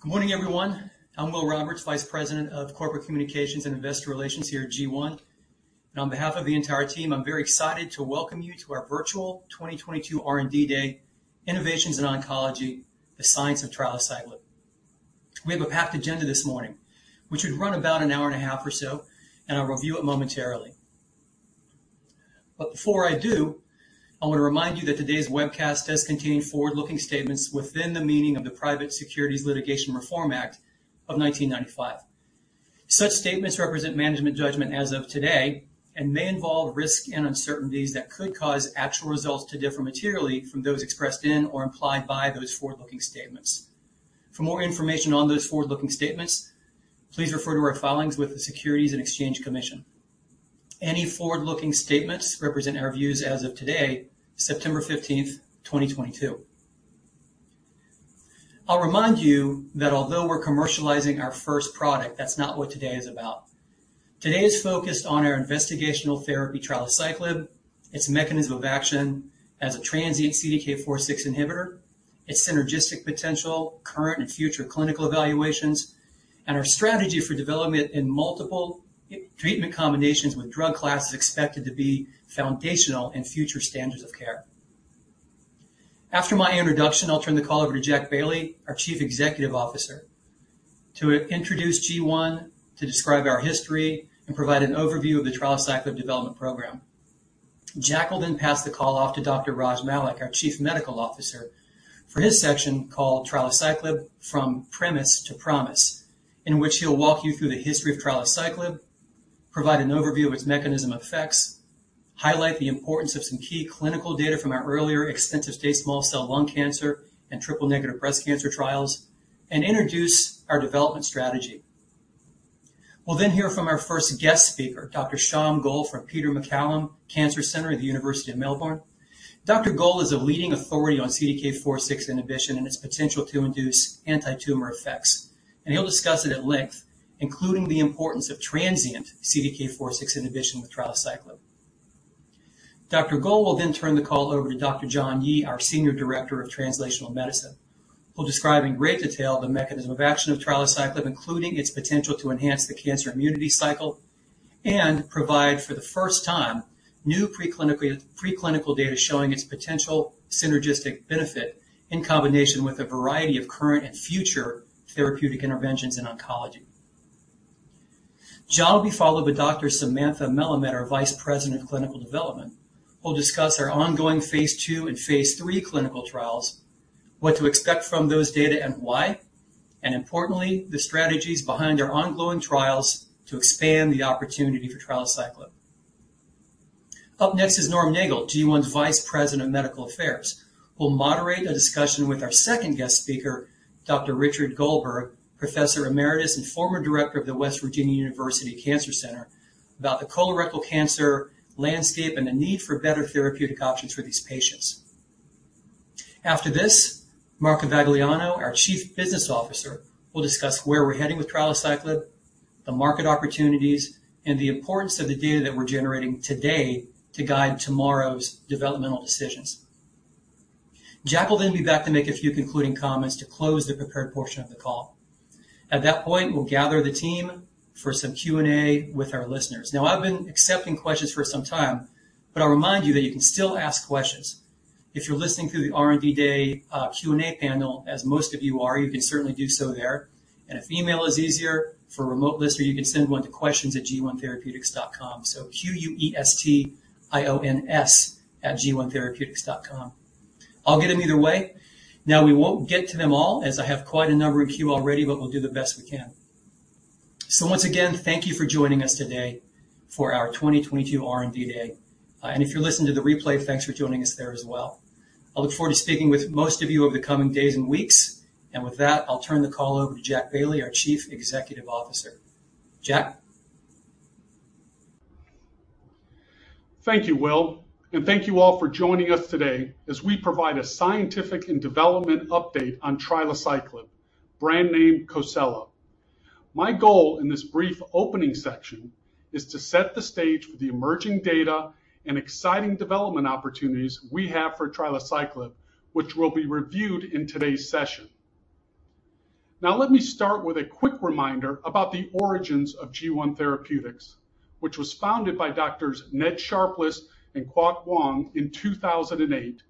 Good morning, everyone. I'm Will Roberts, Vice President of Corporate Communications and Investor Relations here at G1. On behalf of the entire team, I'm very excited to welcome you to our virtual 2022 R&D Day, Innovations in Oncology: The Science of Trilaciclib. We have a packed agenda this morning, which would run about an hour and a half or so, and I'll review it momentarily. Before I do, I want to remind you that today's webcast does contain forward-looking statements within the meaning of the Private Securities Litigation Reform Act of 1995. Such statements represent management judgment as of today and may involve risks and uncertainties that could cause actual results to differ materially from those expressed in or implied by those forward-looking statements. For more information on those forward-looking statements, please refer to our filings with the Securities and Exchange Commission. Any forward-looking statements represent our views as of today, September 15th, 2022. I'll remind you that although we're commercializing our first product, that's not what today is about. Today is focused on our investigational therapy, trilaciclib, its mechanism of action as a transient CDK4/6 inhibitor, its synergistic potential, current and future clinical evaluations, and our strategy for development in multiple treatment combinations with drug classes expected to be foundational in future standards of care. After my introduction, I'll turn the call over to Jack Bailey, our Chief Executive Officer, to introduce G1, to describe our history, and provide an overview of the trilaciclib development program. Jack will then pass the call off to Dr. Raj Malik, our Chief Medical Officer, for his section called Trilaciclib: From Premise to Promise, in which he'll walk you through the history of trilaciclib, provide an overview of its mechanism effects, highlight the importance of some key clinical data from our earlier extensive stage small cell lung cancer and triple-negative breast cancer trials, and introduce our development strategy. We'll then hear from our first guest speaker, Dr. Shom Goel from Peter MacCallum Cancer Centre at the University of Melbourne. Dr. Goel is a leading authority on CDK4/6 inhibition and its potential to induce antitumor effects, and he'll discuss it at length, including the importance of transient CDK4/6 inhibition with trilaciclib. Dr. Goel will then turn the call over to Dr. John Yi, our Senior Director of Translational Medicine, who'll describe in great detail the mechanism of action of trilaciclib, including its potential to enhance the cancer immunity cycle and provide, for the first time, new preclinical data showing its potential synergistic benefit in combination with a variety of current and future therapeutic interventions in oncology. John Yi will be followed by Dr. Samantha Melamed, our Vice President of Clinical Development, will discuss our ongoing phase two and phase three clinical trials, what to expect from those data and why, and importantly, the strategies behind our ongoing trials to expand the opportunity for trilaciclib. Up next is Norm Nagl, G1's Vice President of Medical Affairs, will moderate a discussion with our second guest speaker, Dr. Richard Goldberg, Professor Emeritus and former director of the West Virginia University Cancer Institute, about the colorectal cancer landscape and the need for better therapeutic options for these patients. After this, Mark Avagliano, our Chief Business Officer, will discuss where we're heading with trilaciclib, the market opportunities, and the importance of the data that we're generating today to guide tomorrow's developmental decisions. Jack will then be back to make a few concluding comments to close the prepared portion of the call. At that point, we'll gather the team for some Q&A with our listeners. Now, I've been accepting questions for some time, but I'll remind you that you can still ask questions. If you're listening through the R&D Day, Q&A panel, as most of you are, you can certainly do so there. If email is easier for a remote listener, you can send one to questions@g1therapeutics.com, so Q-U-E-S-T-I-O-N-S @g1therapeutics.com. I'll get them either way. Now, we won't get to them all, as I have quite a number in queue already, but we'll do the best we can. Once again, thank you for joining us today for our 2022 R&D Day. If you're listening to the replay, thanks for joining us there as well. I look forward to speaking with most of you over the coming days and weeks. With that, I'll turn the call over to Jack Bailey, our Chief Executive Officer. Jack. Thank you, Will, and thank you all for joining us today as we provide a scientific and development update on trilaciclib, brand name COSELA. My goal in this brief opening section is to set the stage for the emerging data and exciting development opportunities we have for trilaciclib, which will be reviewed in today's session. Now let me start with a quick reminder about the origins of G1 Therapeutics, which was founded by Doctors Ned Sharpless and Kwok Wong in 2008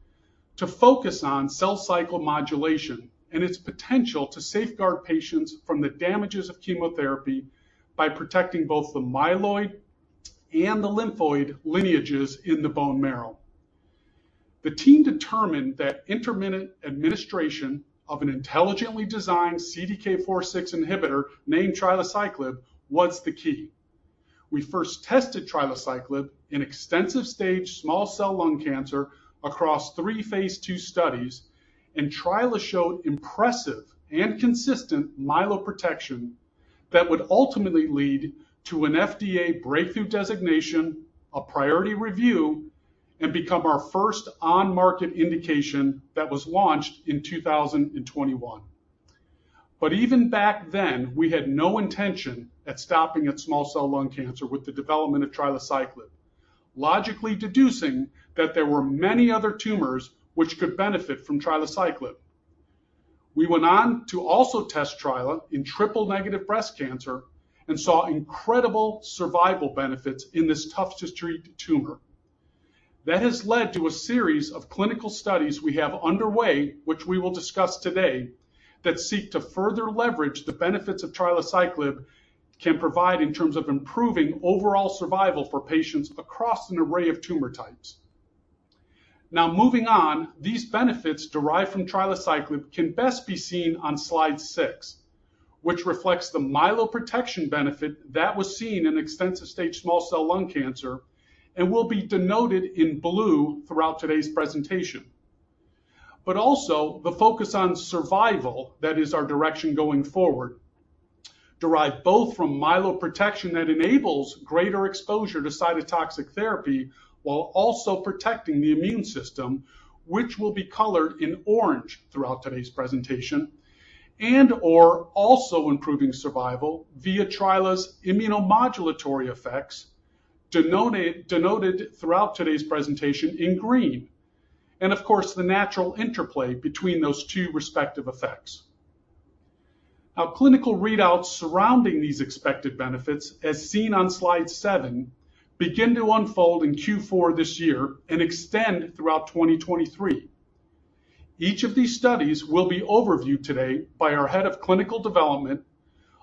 to focus on cell cycle modulation and its potential to safeguard patients from the damages of chemotherapy by protecting both the myeloid and the lymphoid lineages in the bone marrow. The team determined that intermittent administration of an intelligently designed CDK4/6 inhibitor named trilaciclib was the key. We first tested trilaciclib in extensive-stage small cell lung cancer across three phase II studies, and trilaciclib showed impressive and consistent myeloprotection that would ultimately lead to an FDA Breakthrough Therapy designation, a Priority Review, and become our first on-market indication that was launched in 2021. Even back then, we had no intention of stopping at small cell lung cancer with the development of trilaciclib. Logically deducing that there were many other tumors which could benefit from trilaciclib. We went on to also test trilaciclib in triple-negative breast cancer and saw incredible survival benefits in this tough-to-treat tumor. That has led to a series of clinical studies we have underway, which we will discuss today, that seek to further leverage the benefits of trilaciclib can provide in terms of improving overall survival for patients across an array of tumor types. Now, moving on, these benefits derived from trilaciclib can best be seen on slide six, which reflects the myeloprotection benefit that was seen in extensive-stage small cell lung cancer and will be denoted in blue throughout today's presentation. Also the focus on survival that is our direction going forward derive both from myeloprotection that enables greater exposure to cytotoxic therapy while also protecting the immune system, which will be colored in orange throughout today's presentation and/or also improving survival via trilaciclib's immunomodulatory effects denoted throughout today's presentation in green and of course, the natural interplay between those two respective effects. Our clinical readouts surrounding these expected benefits, as seen on slide seven, begin to unfold in Q4 this year and extend throughout 2023. Each of these studies will be overviewed today by our Head of Clinical Development,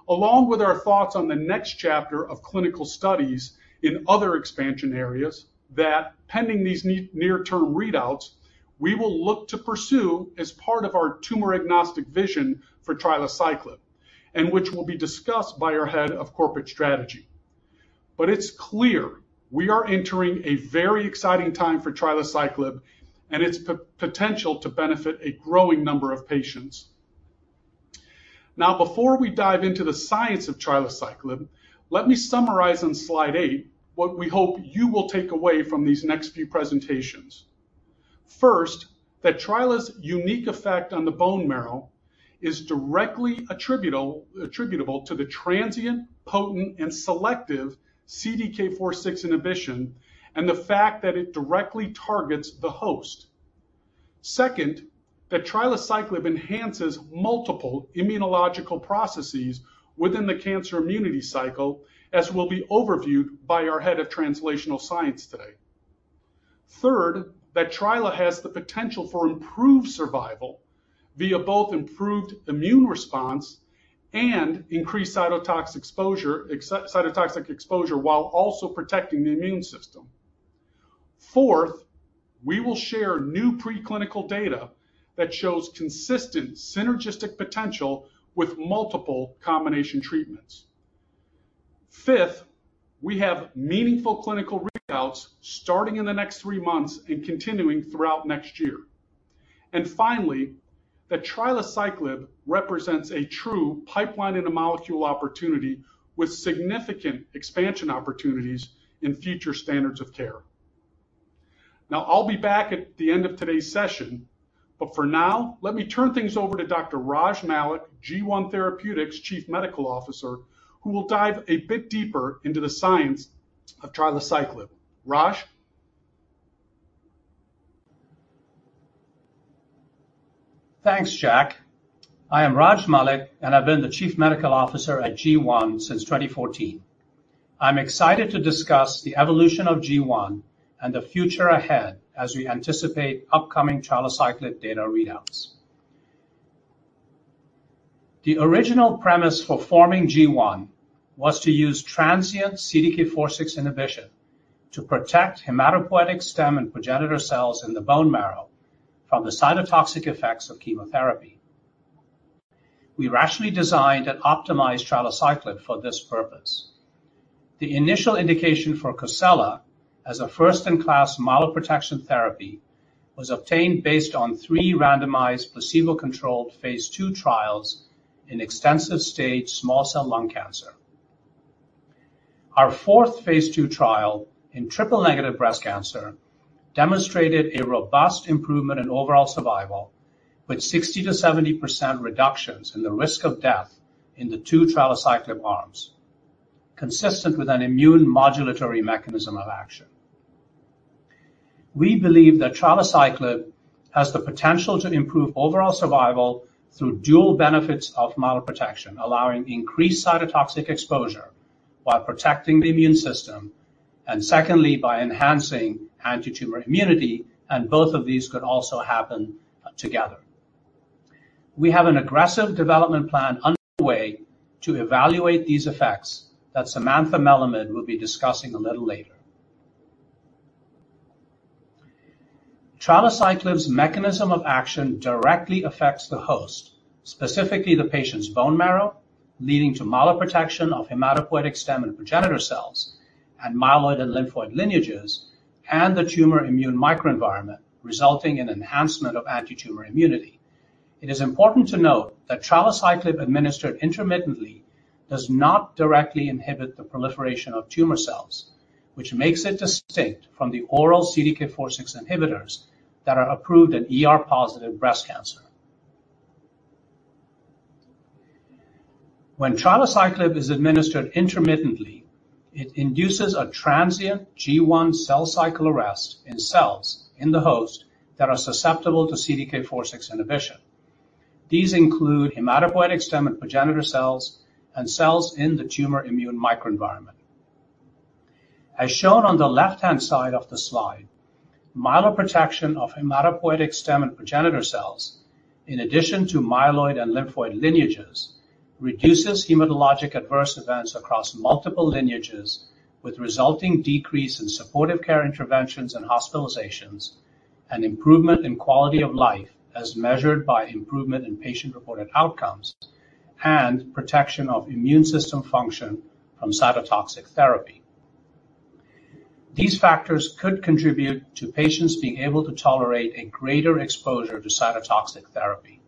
along with our thoughts on the next chapter of clinical studies in other expansion areas that pending these near-term readouts, we will look to pursue as part of our tumor-agnostic vision for trilaciclib, and which will be discussed by our Head of Corporate Strategy. It's clear we are entering a very exciting time for trilaciclib and its potential to benefit a growing number of patients. Now, before we dive into the science of trilaciclib, let me summarize on slide eight what we hope you will take away from these next few presentations. First, that trilaciclib's unique effect on the bone marrow is directly attributable to the transient, potent, and selective CDK4/6 inhibition and the fact that it directly targets the host. Second, that trilaciclib enhances multiple immunological processes within the cancer immunity cycle, as will be overviewed by our Head of Translational Science today. Third, that trilaciclib has the potential for improved survival via both improved immune response and increased cytotoxic exposure, while also protecting the immune system. Fourth, we will share new preclinical data that shows consistent synergistic potential with multiple combination treatments. Fifth, we have meaningful clinical readouts starting in the next three months and continuing throughout next year. Finally, that trilaciclib represents a true pipeline-in-a-molecule opportunity with significant expansion opportunities in future standards of care. Now, I'll be back at the end of today's session, but for now, let me turn things over to Dr. Raj Malik, G1 Therapeutics Chief Medical Officer, who will dive a bit deeper into the science of trilaciclib. Raj? Thanks, Jack. I am Raj Malik, and I've been the Chief Medical Officer at G1 since 2014. I'm excited to discuss the evolution of G1 and the future ahead as we anticipate upcoming trilaciclib data readouts. The original premise for forming G1 was to use transient CDK4/6 inhibition to protect hematopoietic stem and progenitor cells in the bone marrow from the cytotoxic effects of chemotherapy. We rationally designed and optimized trilaciclib for this purpose. The initial indication for COSELA as a first-in-class myeloprotection therapy was obtained based on three randomized, placebo-controlled phase II trials in extensive stage small cell lung cancer. Our fourth phase II trial in triple-negative breast cancer demonstrated a robust improvement in overall survival with 60%-70% reductions in the risk of death in the two trilaciclib arms, consistent with an immune modulatory mechanism of action. We believe that trilaciclib has the potential to improve overall survival through dual benefits of myeloprotection, allowing increased cytotoxic exposure while protecting the immune system, and secondly, by enhancing antitumor immunity and both of these could also happen together. We have an aggressive development plan underway to evaluate these effects that Samantha Melamed will be discussing a little later. Trilaciclib's mechanism of action directly affects the host, specifically the patient's bone marrow, leading to myeloprotection of hematopoietic stem and progenitor cells and myeloid and lymphoid lineages and the tumor immune microenvironment, resulting in enhancement of antitumor immunity. It is important to note that trilaciclib administered intermittently does not directly inhibit the proliferation of tumor cells, which makes it distinct from the oral CDK4/6 inhibitors that are approved in ER-positive breast cancer. When trilaciclib is administered intermittently, it induces a transient G1 cell cycle arrest in cells in the host that are susceptible to CDK4/6 inhibition. These include hematopoietic stem and progenitor cells and cells in the tumor immune microenvironment. As shown on the left-hand side of the slide, myeloprotection of hematopoietic stem and progenitor cells, in addition to myeloid and lymphoid lineages, reduces hematologic adverse events across multiple lineages with resulting decrease in supportive care interventions and hospitalizations, and improvement in quality of life as measured by improvement in patient-reported outcomes and protection of immune system function from cytotoxic therapy. These factors could contribute to patients being able to tolerate a greater exposure to cytotoxic therapy.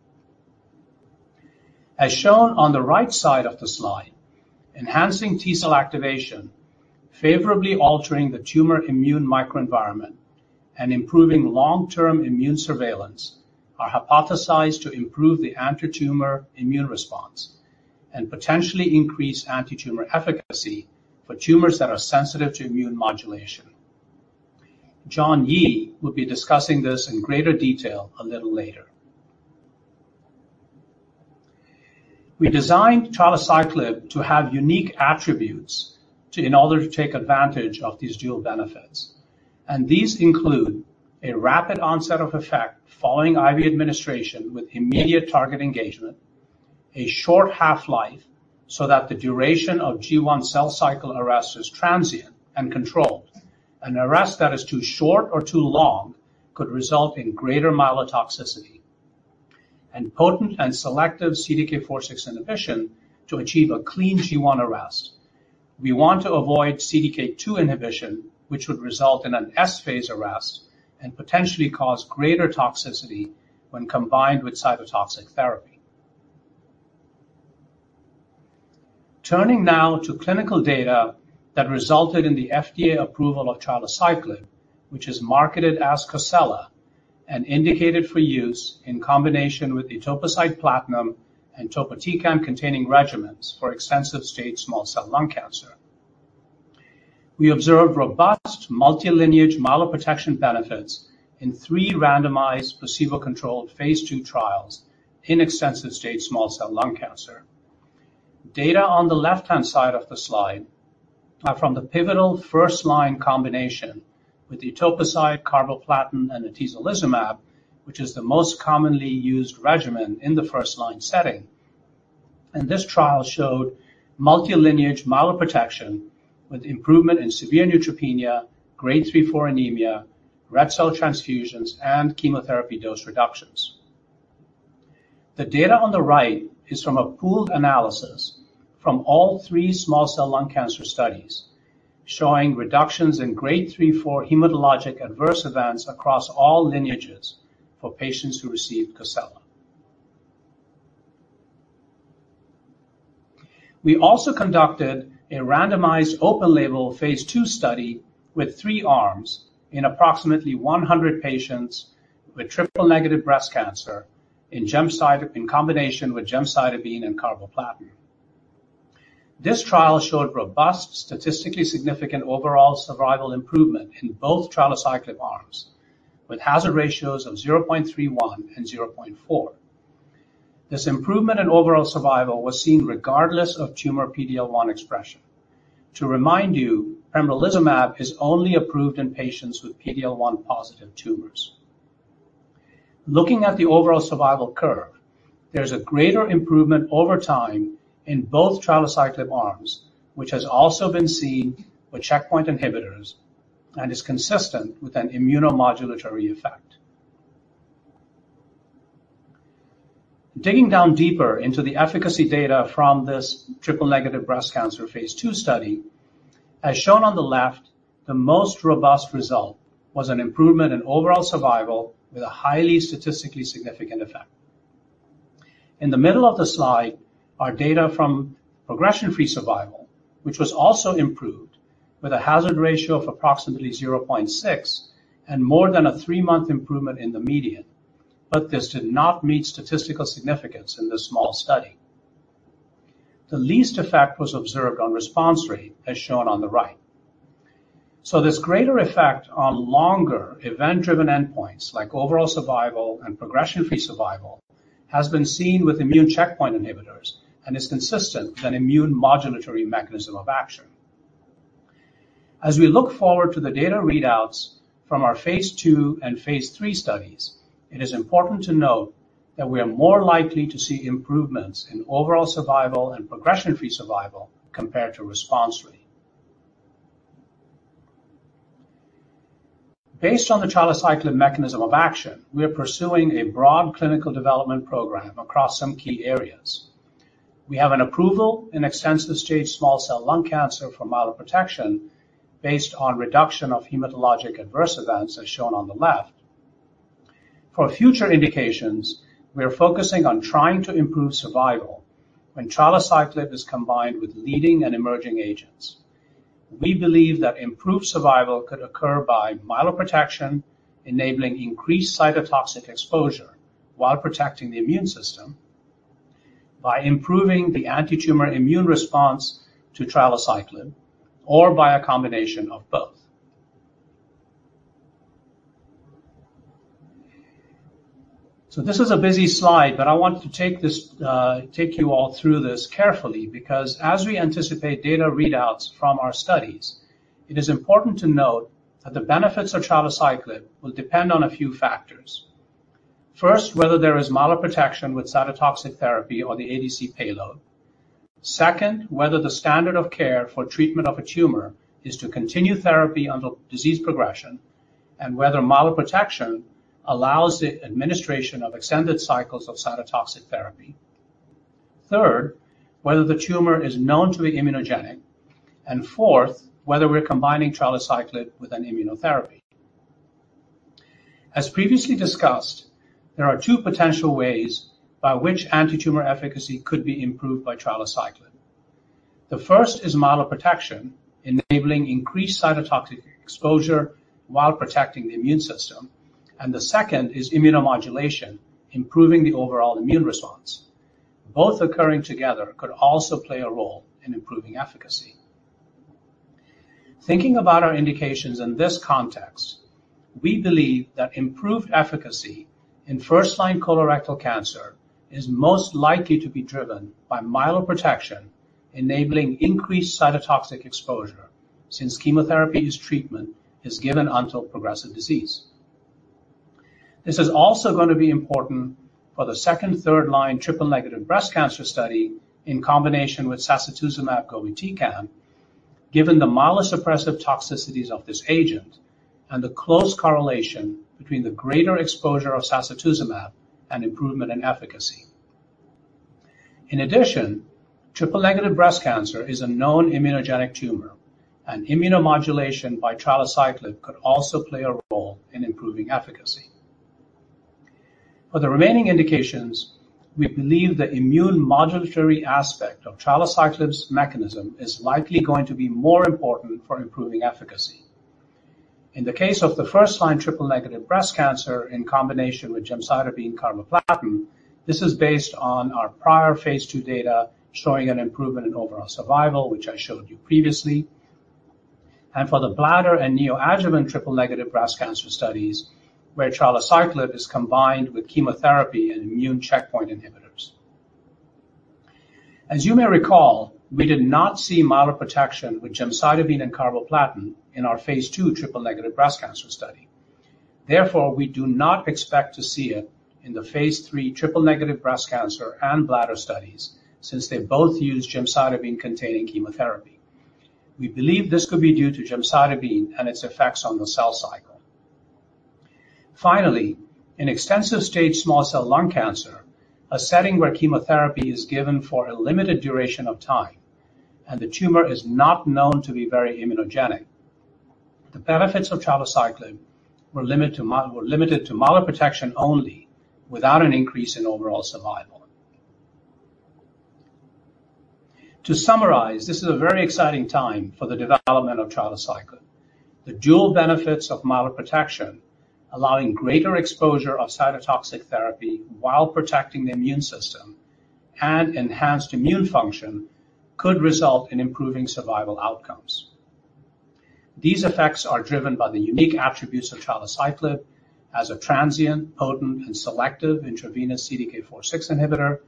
As shown on the right side of the slide, enhancing T-cell activation, favorably altering the tumor immune microenvironment, and improving long-term immune surveillance are hypothesized to improve the antitumor immune response and potentially increase antitumor efficacy for tumors that are sensitive to immune modulation. John Yi will be discussing this in greater detail a little later. We designed trilaciclib to have unique attributes in order to take advantage of these dual benefits, and these include a rapid onset of effect following IV administration with immediate target engagement, a short half-life so that the duration of G1 cell cycle arrest is transient and controlled. An arrest that is too short or too long could result in greater myelotoxicity and potent and selective CDK4/6 inhibition to achieve a clean G1 arrest. We want to avoid CDK2 inhibition, which would result in an S-phase arrest and potentially cause greater toxicity when combined with cytotoxic therapy. Turning now to clinical data that resulted in the FDA approval of trilaciclib, which is marketed as COSELA and indicated for use in combination with etoposide platinum and topotecan-containing regimens for extensive-stage small cell lung cancer. We observed robust multi-lineage myeloprotection benefits in three randomized placebo-controlled phase II trials in extensive-stage small cell lung cancer. Data on the left-hand side of the slide are from the pivotal first-line combination with etoposide, carboplatin, and atezolizumab, which is the most commonly used regimen in the first-line setting. This trial showed multi-lineage myeloprotection with improvement in severe neutropenia, grade 3/4 anemia, red cell transfusions, and chemotherapy dose reductions. The data on the right is from a pooled analysis from all three small cell lung cancer studies showing reductions in grade 3/4 hematologic adverse events across all lineages for patients who received COSELA. We also conducted a randomized open-label phase II study with three arms in approximately 100 patients with triple-negative breast cancer in combination with gemcitabine and carboplatin. This trial showed robust statistically significant overall survival improvement in both trilaciclib arms, with hazard ratios of 0.31 and 0.4. This improvement in overall survival was seen regardless of tumor PD-L1 expression. To remind you, pembrolizumab is only approved in patients with PD-L1 positive tumors. Looking at the overall survival curve, there is a greater improvement over time in both trilaciclib arms, which has also been seen with checkpoint inhibitors and is consistent with an immunomodulatory effect. Digging down deeper into the efficacy data from this triple negative breast cancer phase II study, as shown on the left, the most robust result was an improvement in overall survival with a highly statistically significant effect. In the middle of the slide are data from progression-free survival, which was also improved with a hazard ratio of approximately 0.6 and more than a three-month improvement in the median, but this did not meet statistical significance in this small study. The least effect was observed on response rate, as shown on the right. This greater effect on longer event-driven endpoints, like overall survival and progression-free survival, has been seen with immune checkpoint inhibitors and is consistent with an immune modulatory mechanism of action. As we look forward to the data readouts from our phase II and phase III studies, it is important to note that we are more likely to see improvements in overall survival and progression-free survival compared to response rate. Based on the trilaciclib mechanism of action, we are pursuing a broad clinical development program across some key areas. We have an approval in extensive-stage small cell lung cancer for myeloprotection based on reduction of hematologic adverse events, as shown on the left. For future indications, we are focusing on trying to improve survival when trilaciclib is combined with leading and emerging agents. We believe that improved survival could occur by myeloprotection, enabling increased cytotoxic exposure while protecting the immune system, by improving the antitumor immune response to trilaciclib, or by a combination of both. This is a busy slide, but I want to take you all through this carefully because as we anticipate data readouts from our studies, it is important to note that the benefits of trilaciclib will depend on a few factors. First, whether there is myeloprotection with cytotoxic therapy or the ADC payload. Second, whether the standard of care for treatment of a tumor is to continue therapy until disease progression, and whether myeloprotection allows the administration of extended cycles of cytotoxic therapy. Third, whether the tumor is known to be immunogenic, and fourth, whether we're combining trilaciclib with an immunotherapy. As previously discussed, there are two potential ways by which antitumor efficacy could be improved by trilaciclib. The first is myeloprotection, enabling increased cytotoxic exposure while protecting the immune system, and the second is immunomodulation, improving the overall immune response. Both occurring together could also play a role in improving efficacy. Thinking about our indications in this context, we believe that improved efficacy in first-line colorectal cancer is most likely to be driven by myeloprotection, enabling increased cytotoxic exposure since chemotherapy's treatment is given until progressive disease. This is also gonna be important for the second, third-line triple-negative breast cancer study in combination with sacituzumab govitecan, given the myelosuppressive toxicities of this agent and the close correlation between the greater exposure of sacituzumab and improvement in efficacy. In addition, triple-negative breast cancer is a known immunogenic tumor, and immunomodulation by trilaciclib could also play a role in improving efficacy. For the remaining indications, we believe the immune modulatory aspect of trilaciclib's mechanism is likely going to be more important for improving efficacy. In the case of the first-line triple-negative breast cancer in combination with gemcitabine carboplatin, this is based on our prior phase II data showing an improvement in overall survival, which I showed you previously, and for the bladder and neoadjuvant triple-negative breast cancer studies where trilaciclib is combined with chemotherapy and immune checkpoint inhibitors. As you may recall, we did not see myeloprotection with gemcitabine and carboplatin in our phase II triple-negative breast cancer study. Therefore, we do not expect to see it in the phase III triple-negative breast cancer and bladder studies since they both use gemcitabine-containing chemotherapy. We believe this could be due to gemcitabine and its effects on the cell cycle. Finally, in extensive-stage small cell lung cancer, a setting where chemotherapy is given for a limited duration of time and the tumor is not known to be very immunogenic, the benefits of trilaciclib were limited to myeloprotection only without an increase in overall survival. To summarize, this is a very exciting time for the development of trilaciclib. The dual benefits of myeloprotection, allowing greater exposure of cytotoxic therapy while protecting the immune system and enhanced immune function, could result in improving survival outcomes. These effects are driven by the unique attributes of trilaciclib as a transient, potent, and selective intravenous CDK4/6 inhibitor.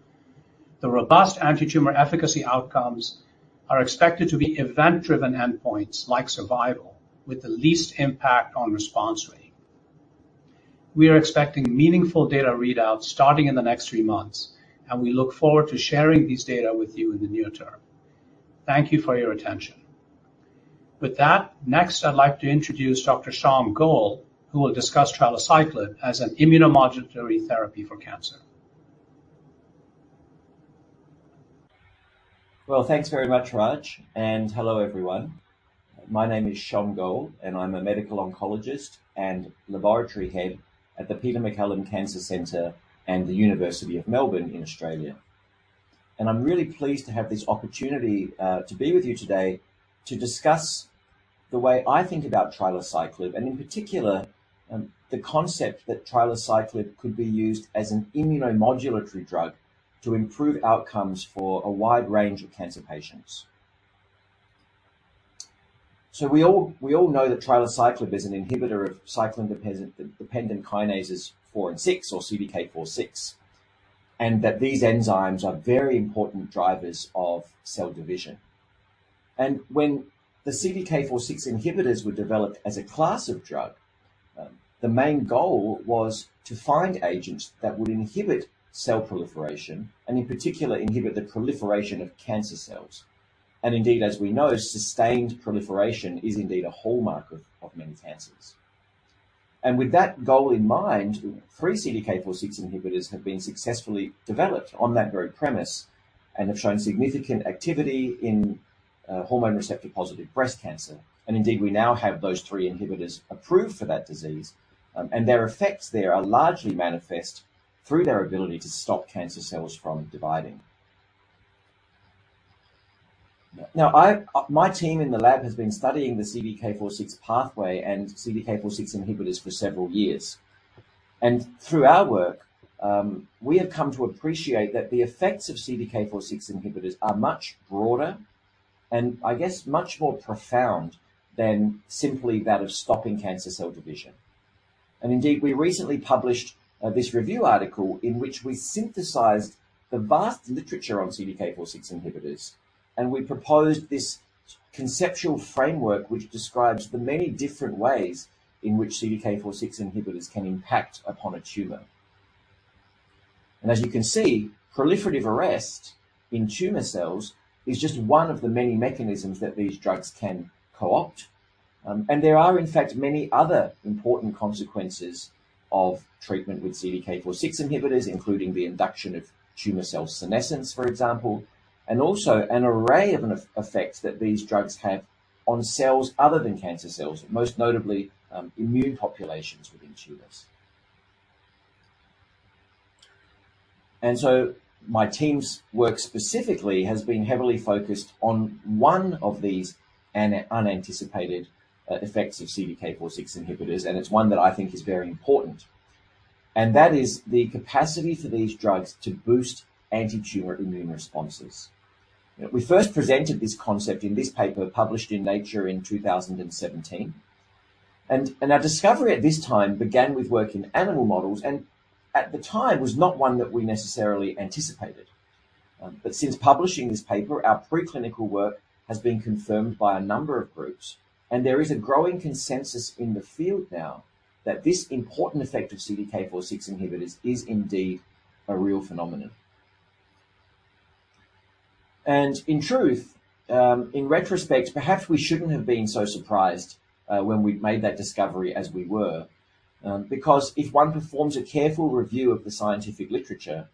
The robust antitumor efficacy outcomes are expected to be event-driven endpoints like survival with the least impact on response rate. We are expecting meaningful data readouts starting in the next three months, and we look forward to sharing these data with you in the near term. Thank you for your attention. With that, next, I'd like to introduce Dr. Shom Goel, who will discuss trilaciclib as an immunomodulatory therapy for cancer. Well, thanks very much, Raj, and hello, everyone. My name is Shom Goel, and I'm a medical oncologist and laboratory head at the Peter MacCallum Cancer Centre and the University of Melbourne in Australia. I'm really pleased to have this opportunity to be with you today to discuss the way I think about trilaciclib and in particular the concept that trilaciclib could be used as an immunomodulatory drug to improve outcomes for a wide range of cancer patients. We all know that trilaciclib is an inhibitor of cyclin-dependent kinases 4 and 6, or CDK 4/6, and that these enzymes are very important drivers of cell division. When the CDK 4/6 inhibitors were developed as a class of drug, the main goal was to find agents that would inhibit cell proliferation and in particular inhibit the proliferation of cancer cells. Indeed, as we know, sustained proliferation is indeed a hallmark of many cancers. With that goal in mind, three CDK 4/6 inhibitors have been successfully developed on that very premise and have shown significant activity in hormone receptor-positive breast cancer. Indeed, we now have those three inhibitors approved for that disease, and their effects there are largely manifest through their ability to stop cancer cells from dividing. Now, my team in the lab has been studying the CDK 4/6 pathway and CDK 4/6 inhibitors for several years. Through our work, we have come to appreciate that the effects of CDK 4/6 inhibitors are much broader, and I guess much more profound than simply that of stopping cancer cell division. Indeed, we recently published this review article in which we synthesized the vast literature on CDK4/6 inhibitors, and we proposed this conceptual framework which describes the many different ways in which CDK4/6 inhibitors can impact upon a tumor. As you can see, proliferative arrest in tumor cells is just one of the many mechanisms that these drugs can co-opt. There are, in fact, many other important consequences of treatment with CDK4/6 inhibitors, including the induction of tumor cell senescence, for example, and also an array of effects that these drugs have on cells other than cancer cells, most notably immune populations within tumors. My team's work specifically has been heavily focused on one of these unanticipated effects of CDK4/6 inhibitors, and it's one that I think is very important, and that is the capacity for these drugs to boost antitumor immune responses. We first presented this concept in this paper published in Nature in 2017. Our discovery at this time began with work in animal models, and at the time was not one that we necessarily anticipated. Since publishing this paper, our preclinical work has been confirmed by a number of groups, and there is a growing consensus in the field now that this important effect of CDK4/6 inhibitors is indeed a real phenomenon. In retrospect, perhaps we shouldn't have been so surprised when we made that discovery as we were, because if one performs a careful review of the scientific literature,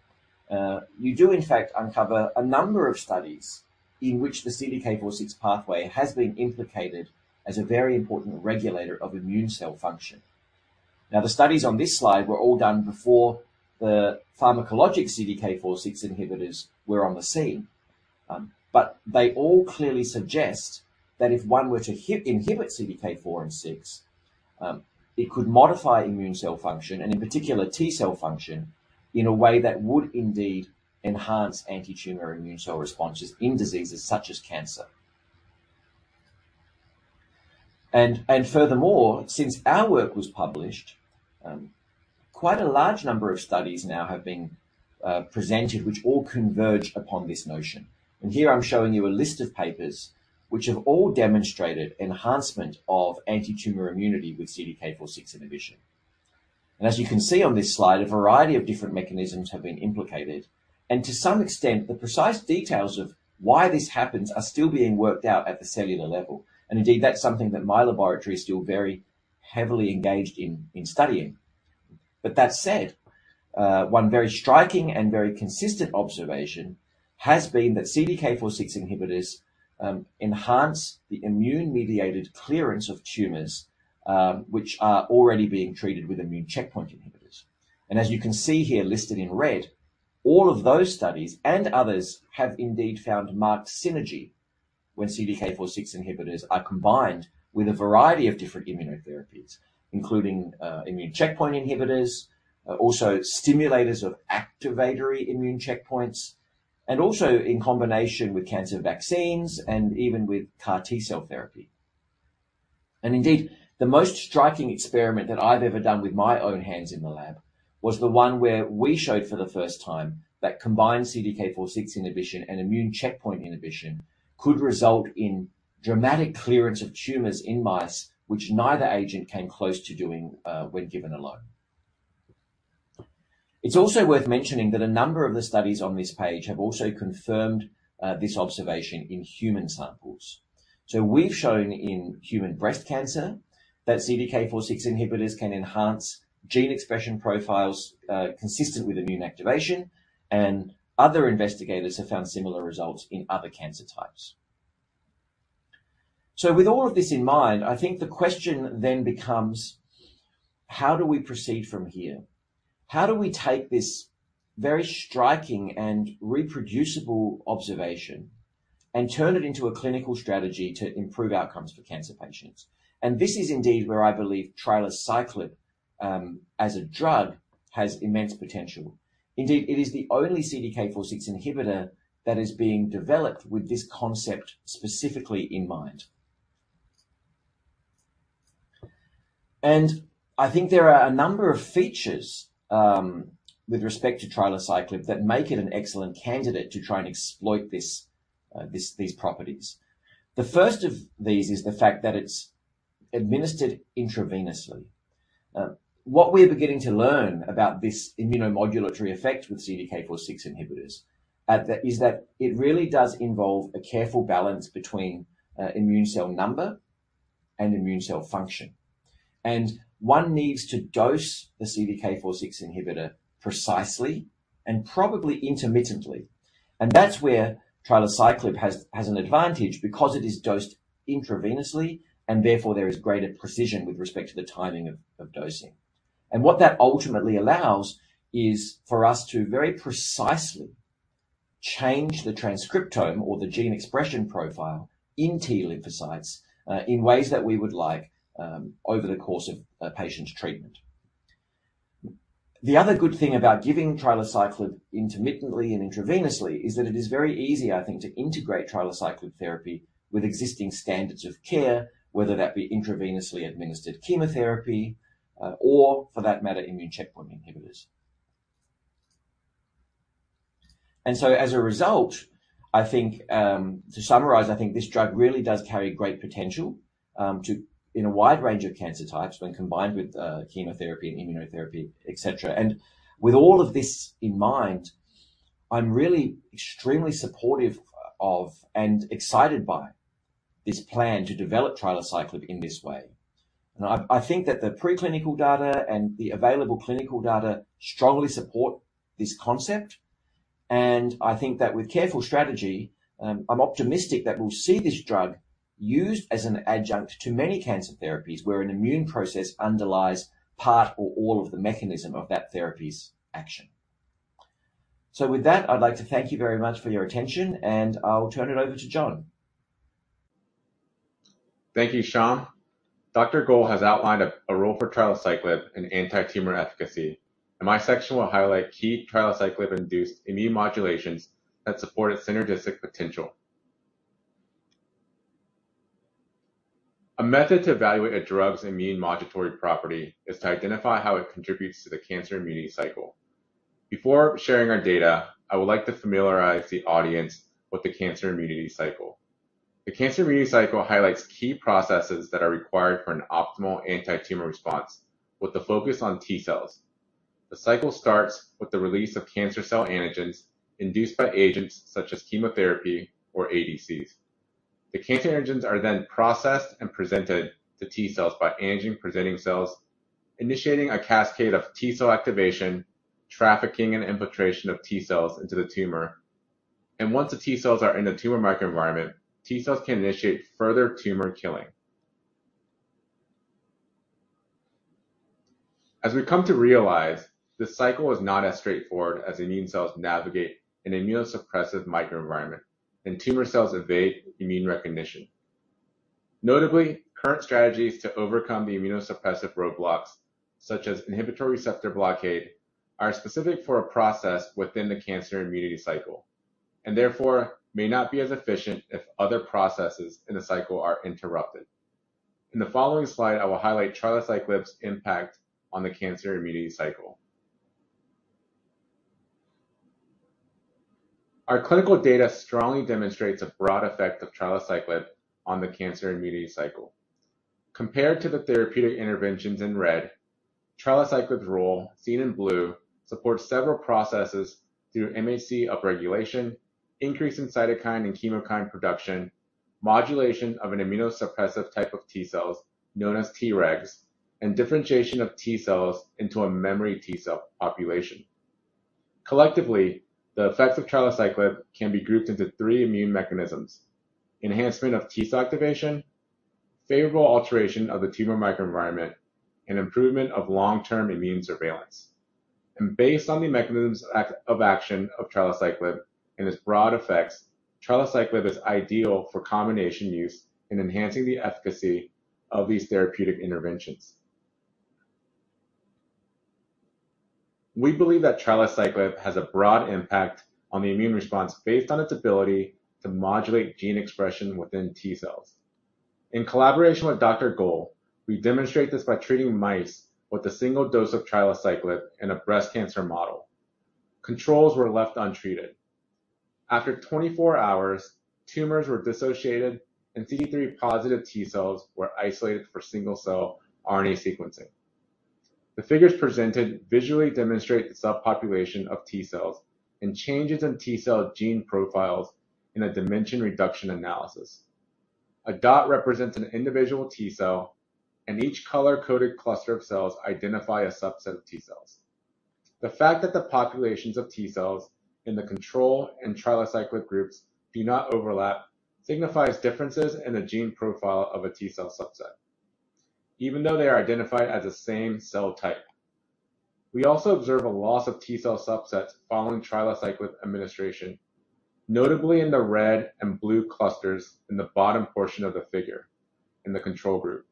you do in fact uncover a number of studies in which the CDK 4/6 pathway has been implicated as a very important regulator of immune cell function. Now, the studies on this slide were all done before the pharmacologic CDK 4/6 inhibitors were on the scene, but they all clearly suggest that if one were to inhibit CDK 4 and 6, it could modify immune cell function, and in particular T cell function, in a way that would indeed enhance antitumor immune cell responses in diseases such as cancer. Furthermore, since our work was published, quite a large number of studies now have been presented which all converge upon this notion. Here I'm showing you a list of papers which have all demonstrated enhancement of antitumor immunity with CDK4/6 inhibition. As you can see on this slide, a variety of different mechanisms have been implicated. To some extent, the precise details of why this happens are still being worked out at the cellular level. Indeed, that's something that my laboratory is still very heavily engaged in studying. That said, one very striking and very consistent observation has been that CDK4/6 inhibitors enhance the immune-mediated clearance of tumors, which are already being treated with immune checkpoint inhibitors. As you can see here listed in red, all of those studies and others have indeed found marked synergy when CDK4/6 inhibitors are combined with a variety of different immunotherapies, including, immune checkpoint inhibitors, also stimulators of activatory immune checkpoints, and also in combination with cancer vaccines and even with CAR T-cell therapy. Indeed, the most striking experiment that I've ever done with my own hands in the lab was the one where we showed for the first time that combined CDK4/6 inhibition and immune checkpoint inhibition could result in dramatic clearance of tumors in mice, which neither agent came close to doing, when given alone. It's also worth mentioning that a number of the studies on this page have also confirmed, this observation in human samples. We've shown in human breast cancer that CDK4/6 inhibitors can enhance gene expression profiles, consistent with immune activation, and other investigators have found similar results in other cancer types. With all of this in mind, I think the question then becomes. How do we proceed from here? How do we take this very striking and reproducible observation and turn it into a clinical strategy to improve outcomes for cancer patients? This is indeed where I believe trilaciclib, as a drug, has immense potential. Indeed, it is the only CDK4/6 inhibitor that is being developed with this concept specifically in mind. I think there are a number of features, with respect to trilaciclib that make it an excellent candidate to try and exploit this, these properties. The first of these is the fact that it's administered intravenously. What we are beginning to learn about this immunomodulatory effect with CDK4/6 inhibitors is that it really does involve a careful balance between immune cell number and immune cell function. One needs to dose the CDK4/6 inhibitor precisely and probably intermittently. That's where trilaciclib has an advantage because it is dosed intravenously, and therefore, there is greater precision with respect to the timing of dosing. What that ultimately allows is for us to very precisely change the transcriptome or the gene expression profile in T lymphocytes in ways that we would like over the course of a patient's treatment. The other good thing about giving trilaciclib intermittently and intravenously is that it is very easy, I think, to integrate trilaciclib therapy with existing standards of care, whether that be intravenously administered chemotherapy, or for that matter, immune checkpoint inhibitors. As a result, I think, to summarize, I think this drug really does carry great potential, to in a wide range of cancer types when combined with, chemotherapy and immunotherapy, et cetera. With all of this in mind, I'm really extremely supportive of and excited by this plan to develop trilaciclib in this way. I think that the preclinical data and the available clinical data strongly support this concept, and I think that with careful strategy, I'm optimistic that we'll see this drug used as an adjunct to many cancer therapies where an immune process underlies part or all of the mechanism of that therapy's action. With that, I'd like to thank you very much for your attention, and I'll turn it over to John. Thank you, Shom. Dr. Goel has outlined a role for trilaciclib in anti-tumor efficacy, and my section will highlight key trilaciclib-induced immune modulations that support its synergistic potential. A method to evaluate a drug's immune modulatory property is to identify how it contributes to the cancer-immunity cycle. Before sharing our data, I would like to familiarize the audience with the cancer-immunity cycle. The cancer-immunity cycle highlights key processes that are required for an optimal anti-tumor response with the focus on T cells. The cycle starts with the release of cancer cell antigens induced by agents such as chemotherapy or ADCs. The cancer antigens are then processed and presented to T cells by antigen-presenting cells, initiating a cascade of T cell activation, trafficking, and infiltration of T cells into the tumor. Once the T cells are in the tumor microenvironment, T cells can initiate further tumor killing. As we come to realize, this cycle is not as straightforward as immune cells navigate an immunosuppressive microenvironment and tumor cells evade immune recognition. Notably, current strategies to overcome the immunosuppressive roadblocks, such as inhibitory receptor blockade, are specific for a process within the cancer immunity cycle, and therefore may not be as efficient if other processes in the cycle are interrupted. In the following slide, I will highlight trilaciclib's impact on the cancer immunity cycle. Our clinical data strongly demonstrates a broad effect of trilaciclib on the cancer immunity cycle. Compared to the therapeutic interventions in red, trilaciclib's role, seen in blue, supports several processes through MHC upregulation, increase in cytokine and chemokine production, modulation of an immunosuppressive type of T cells known as Tregs, and differentiation of T cells into a memory T cell population. Collectively, the effects of trilaciclib can be grouped into three immune mechanisms, enhancement of T cell activation, favorable alteration of the tumor microenvironment, and improvement of long-term immune surveillance. Based on the mechanisms of action of trilaciclib and its broad effects, trilaciclib is ideal for combination use in enhancing the efficacy of these therapeutic interventions. We believe that trilaciclib has a broad impact on the immune response based on its ability to modulate gene expression within T cells. In collaboration with Dr. Shom Goel, we demonstrate this by treating mice with a single dose of trilaciclib in a breast cancer model. Controls were left untreated. After 24 hours, tumors were dissociated, and CD3 positive T cells were isolated for single-cell RNA sequencing. The figures presented visually demonstrate the subpopulation of T cells and changes in T cell gene profiles in a dimension reduction analysis. A dot represents an individual T cell, and each color-coded cluster of cells identify a subset of T cells. The fact that the populations of T cells in the control and trilaciclib groups do not overlap signifies differences in the gene profile of a T cell subset, even though they are identified as the same cell type. We also observe a loss of T cell subsets following trilaciclib administration, notably in the red and blue clusters in the bottom portion of the figure in the control group.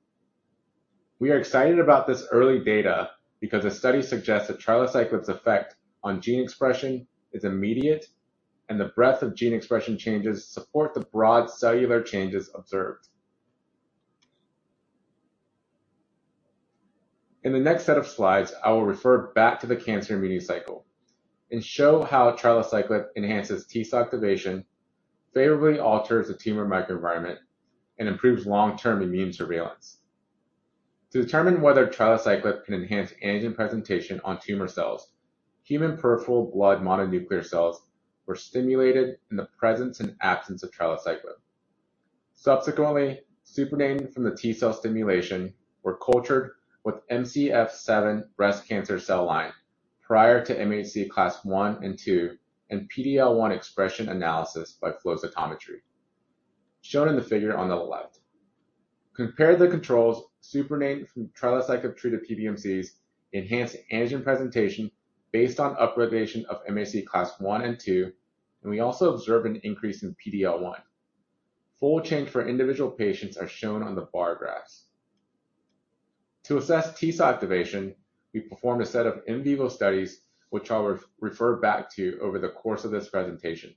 We are excited about this early data because the study suggests that trilaciclib's effect on gene expression is immediate, and the breadth of gene expression changes support the broad cellular changes observed. In the next set of slides, I will refer back to the cancer-immunity cycle and show how trilaciclib enhances T cell activation, favorably alters the tumor microenvironment, and improves long-term immune surveillance. To determine whether trilaciclib can enhance antigen presentation on tumor cells, human peripheral blood mononuclear cells were stimulated in the presence and absence of trilaciclib. Subsequently, supernatant from the T cell stimulation were cultured with MCF-7 breast cancer cell line prior to MHC class I and II and PD-L1 expression analysis by flow cytometry, shown in the figure on the left. Compared to controls, supernatant from trilaciclib-treated PBMCs enhanced antigen presentation based on up-regulation of MHC class I and II, and we also observed an increase in PD-L1. Fold change for individual patients are shown on the bar graphs. To assess T cell activation, we performed a set of in vivo studies which I'll refer back to over the course of this presentation.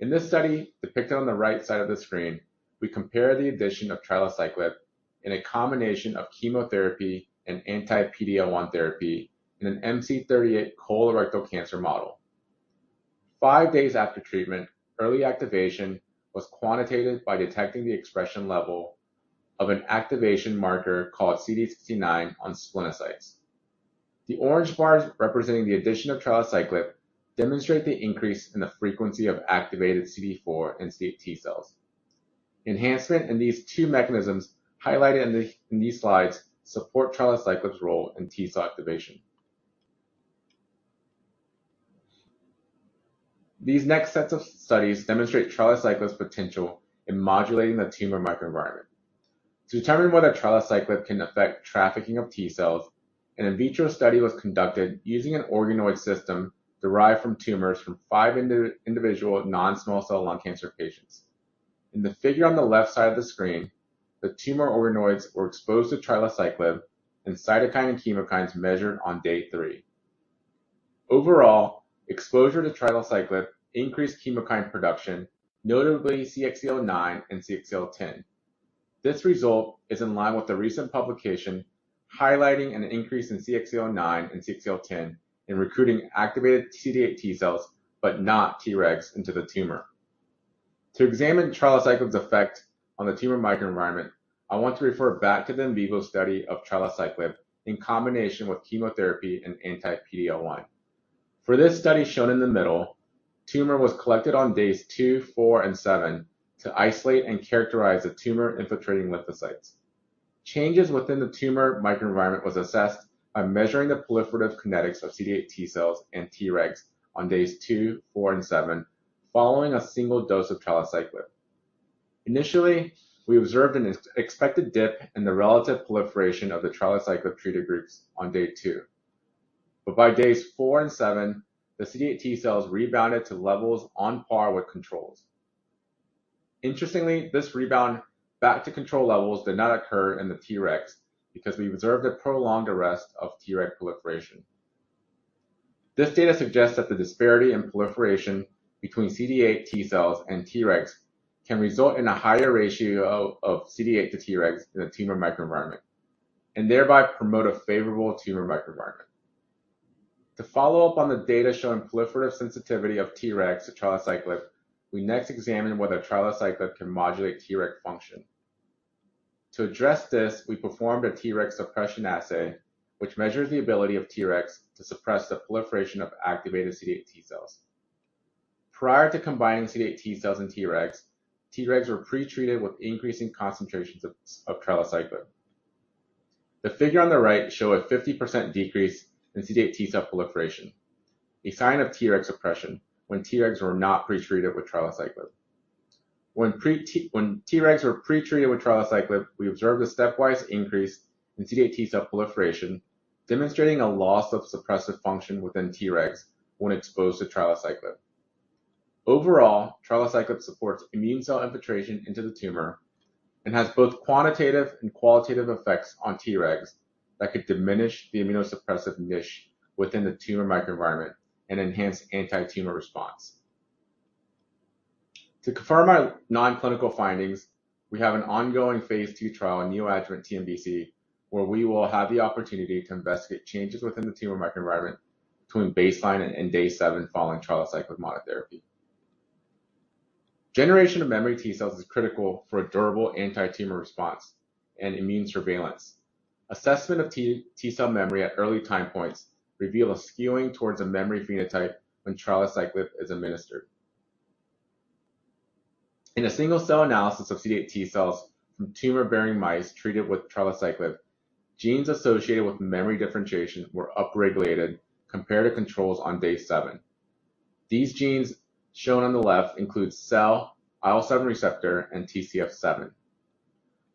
In this study depicted on the right side of the screen, we compare the addition of trilaciclib in a combination of chemotherapy and anti-PD-L1 therapy in an MC38 colorectal cancer model. five days after treatment, early activation was quantitated by detecting the expression level of an activation marker called CD69 on splenocytes. The orange bars representing the addition of trilaciclib demonstrate the increase in the frequency of activated CD4 and CD8 T cells. Enhancement in these two mechanisms highlighted in these slides support trilaciclib's role in T cell activation. These next sets of studies demonstrate trilaciclib's potential in modulating the tumor microenvironment. To determine whether trilaciclib can affect trafficking of T cells, an in vitro study was conducted using an organoid system derived from tumors from five individual non-small cell lung cancer patients. In the figure on the left side of the screen, the tumor organoids were exposed to trilaciclib and cytokine and chemokines measured on day three. Overall, exposure to trilaciclib increased chemokine production, notably CXCL9 and CXCL10. This result is in line with a recent publication highlighting an increase in CXCL9 and CXCL10 in recruiting activated CD8 T cells, but not Tregs into the tumor. To examine trilaciclib's effect on the tumor microenvironment, I want to refer back to the in vivo study of trilaciclib in combination with chemotherapy and anti-PD-L1. For this study shown in the middle, tumor was collected on days two, four, and seven to isolate and characterize the tumor-infiltrating lymphocytes. Changes within the tumor microenvironment was assessed by measuring the proliferative kinetics of CD8 T cells and Tregs on days two, four, and seven following a single dose of trilaciclib. Initially, we observed an expected dip in the relative proliferation of the trilaciclib-treated groups on day two. By days four and seven, the CD8 T cells rebounded to levels on par with controls. Interestingly, this rebound back to control levels did not occur in the Tregs because we observed a prolonged arrest of Treg proliferation. This data suggests that the disparity in proliferation between CD8 T cells and Tregs can result in a higher ratio of CD8 to Tregs in the tumor microenvironment, and thereby promote a favorable tumor microenvironment. To follow up on the data showing proliferative sensitivity of Tregs to trilaciclib, we next examine whether trilaciclib can modulate Treg function. To address this, we performed a Treg suppression assay, which measures the ability of Tregs to suppress the proliferation of activated CD8 T cells. Prior to combining CD8 T cells and Tregs were pre-treated with increasing concentrations of trilaciclib. The figure on the right show a 50% decrease in CD8 T cell proliferation, a sign of Treg suppression when Tregs were not pre-treated with trilaciclib. When Tregs were pre-treated with trilaciclib, we observed a stepwise increase in CD8 T cell proliferation, demonstrating a loss of suppressive function within Tregs when exposed to trilaciclib. Overall, trilaciclib supports immune cell infiltration into the tumor and has both quantitative and qualitative effects on Tregs that could diminish the immunosuppressive niche within the tumor microenvironment and enhance anti-tumor response. To confirm our non-clinical findings, we have an ongoing phase II trial in neoadjuvant TNBC, where we will have the opportunity to investigate changes within the tumor microenvironment between baseline and day seven following trilaciclib monotherapy. Generation of memory T cells is critical for a durable anti-tumor response and immune surveillance. Assessment of T cell memory at early time points reveal a skewing towards a memory phenotype when trilaciclib is administered. In a single cell analysis of CD8 T cells from tumor-bearing mice treated with trilaciclib, genes associated with memory differentiation were upregulated compared to controls on day seven. These genes shown on the left include cell, IL-7 receptor, and TCF7.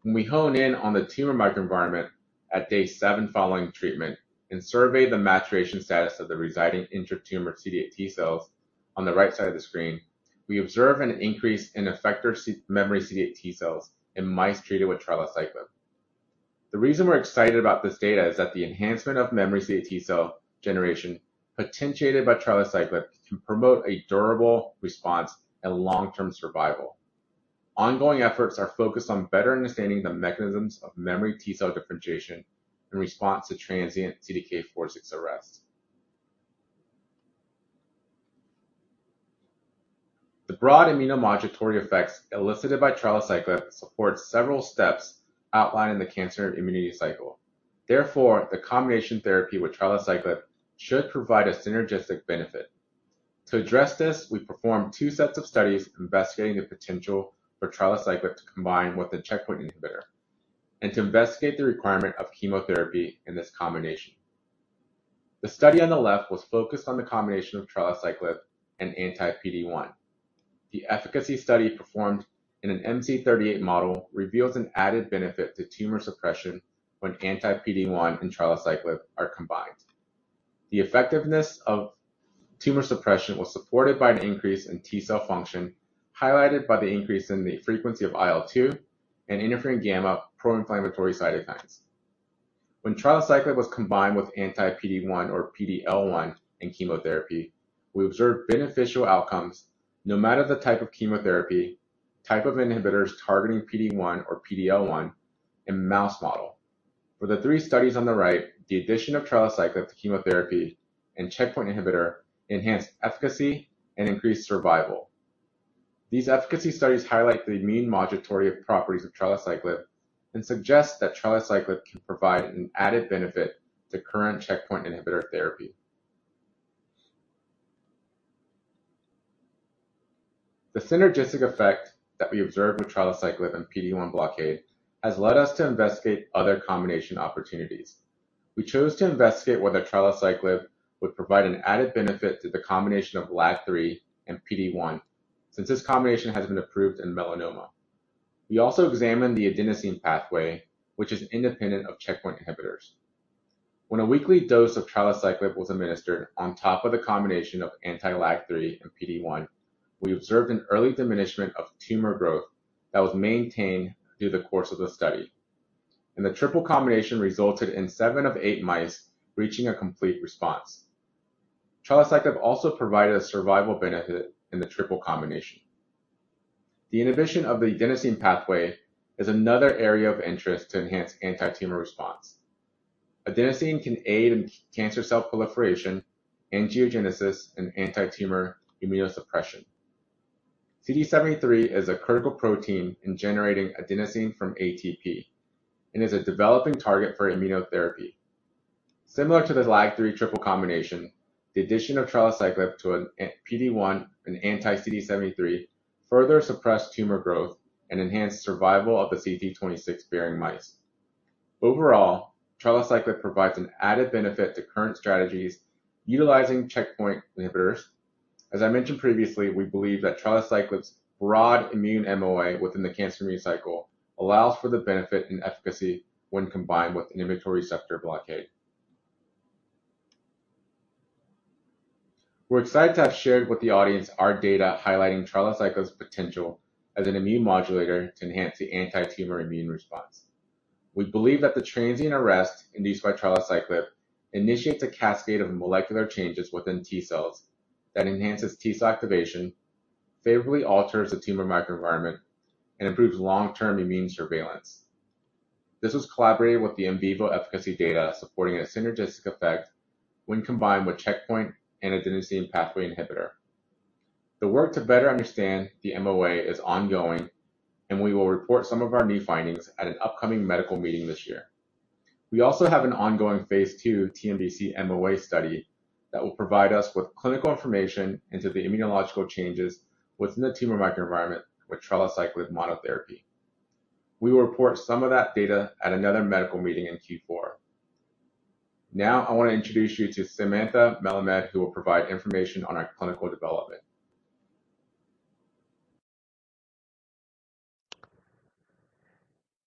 When we hone in on the tumor microenvironment at day seven following treatment and survey the maturation status of the residing intratumor CD8 T cells on the right side of the screen, we observe an increase in effector memory CD8 T cells in mice treated with trilaciclib. The reason we're excited about this data is that the enhancement of memory CD8 T cell generation potentiated by trilaciclib can promote a durable response and long-term survival. Ongoing efforts are focused on better understanding the mechanisms of memory T cell differentiation in response to transient CDK4/6 arrest. The broad immunomodulatory effects elicited by trilaciclib support several steps outlined in the cancer-immunity cycle. Therefore, the combination therapy with trilaciclib should provide a synergistic benefit. To address this, we performed two sets of studies investigating the potential for trilaciclib to combine with a checkpoint inhibitor and to investigate the requirement of chemotherapy in this combination. The study on the left was focused on the combination of trilaciclib and anti-PD-1. The efficacy study performed in an MC38 model reveals an added benefit to tumor suppression when anti-PD-1 and trilaciclib are combined. The effectiveness of tumor suppression was supported by an increase in T cell function, highlighted by the increase in the frequency of IL-2 and interferon-gamma pro-inflammatory cytokines. When trilaciclib was combined with anti-PD-1 or PD-L1 in chemotherapy, we observed beneficial outcomes no matter the type of chemotherapy, type of inhibitors targeting PD-1 or PD-L1, and mouse model. For the three studies on the right, the addition of trilaciclib to chemotherapy and checkpoint inhibitor enhanced efficacy and increased survival. These efficacy studies highlight the immune modulatory properties of trilaciclib and suggest that trilaciclib can provide an added benefit to current checkpoint inhibitor therapy. The synergistic effect that we observed with trilaciclib and PD-1 blockade has led us to investigate other combination opportunities. We chose to investigate whether trilaciclib would provide an added benefit to the combination of LAG-3 and PD-1 since this combination has been approved in melanoma. We also examined the adenosine pathway, which is independent of checkpoint inhibitors. When a weekly dose of trilaciclib was administered on top of the combination of anti-LAG-3 and PD-1, we observed an early diminishment of tumor growth that was maintained through the course of the study. The triple combination resulted in seven of eight mice reaching a complete response. Trilaciclib also provided a survival benefit in the triple combination. The inhibition of the adenosine pathway is another area of interest to enhance anti-tumor response. Adenosine can aid in cancer cell proliferation, angiogenesis, and anti-tumor immunosuppression. CD73 is a critical protein in generating adenosine from ATP and is a developing target for immunotherapy. Similar to the LAG-3 triple combination, the addition of trilaciclib to a PD-1 and anti-CD73 further suppressed tumor growth and enhanced survival of the CT26-bearing mice. Overall, trilaciclib provides an added benefit to current strategies utilizing checkpoint inhibitors. As I mentioned previously, we believe that trilaciclib's broad immune MOA within the cancer-immunity cycle allows for the benefit in efficacy when combined with inhibitory receptor blockade. We're excited to have shared with the audience our data highlighting trilaciclib's potential as an immune modulator to enhance the anti-tumor immune response. We believe that the transient arrest induced by trilaciclib initiates a cascade of molecular changes within T cells that enhances T cell activation, favorably alters the tumor microenvironment, and improves long-term immune surveillance. This was corroborated with the in vivo efficacy data supporting a synergistic effect when combined with checkpoint and adenosine pathway inhibitor. The work to better understand the MOA is ongoing, and we will report some of our new findings at an upcoming medical meeting this year. We also have an ongoing phase II TNBC MOA study that will provide us with clinical information into the immunological changes within the tumor microenvironment with trilaciclib monotherapy. We will report some of that data at another medical meeting in Q4. Now I want to introduce you to Samantha Melamed, who will provide information on our clinical development.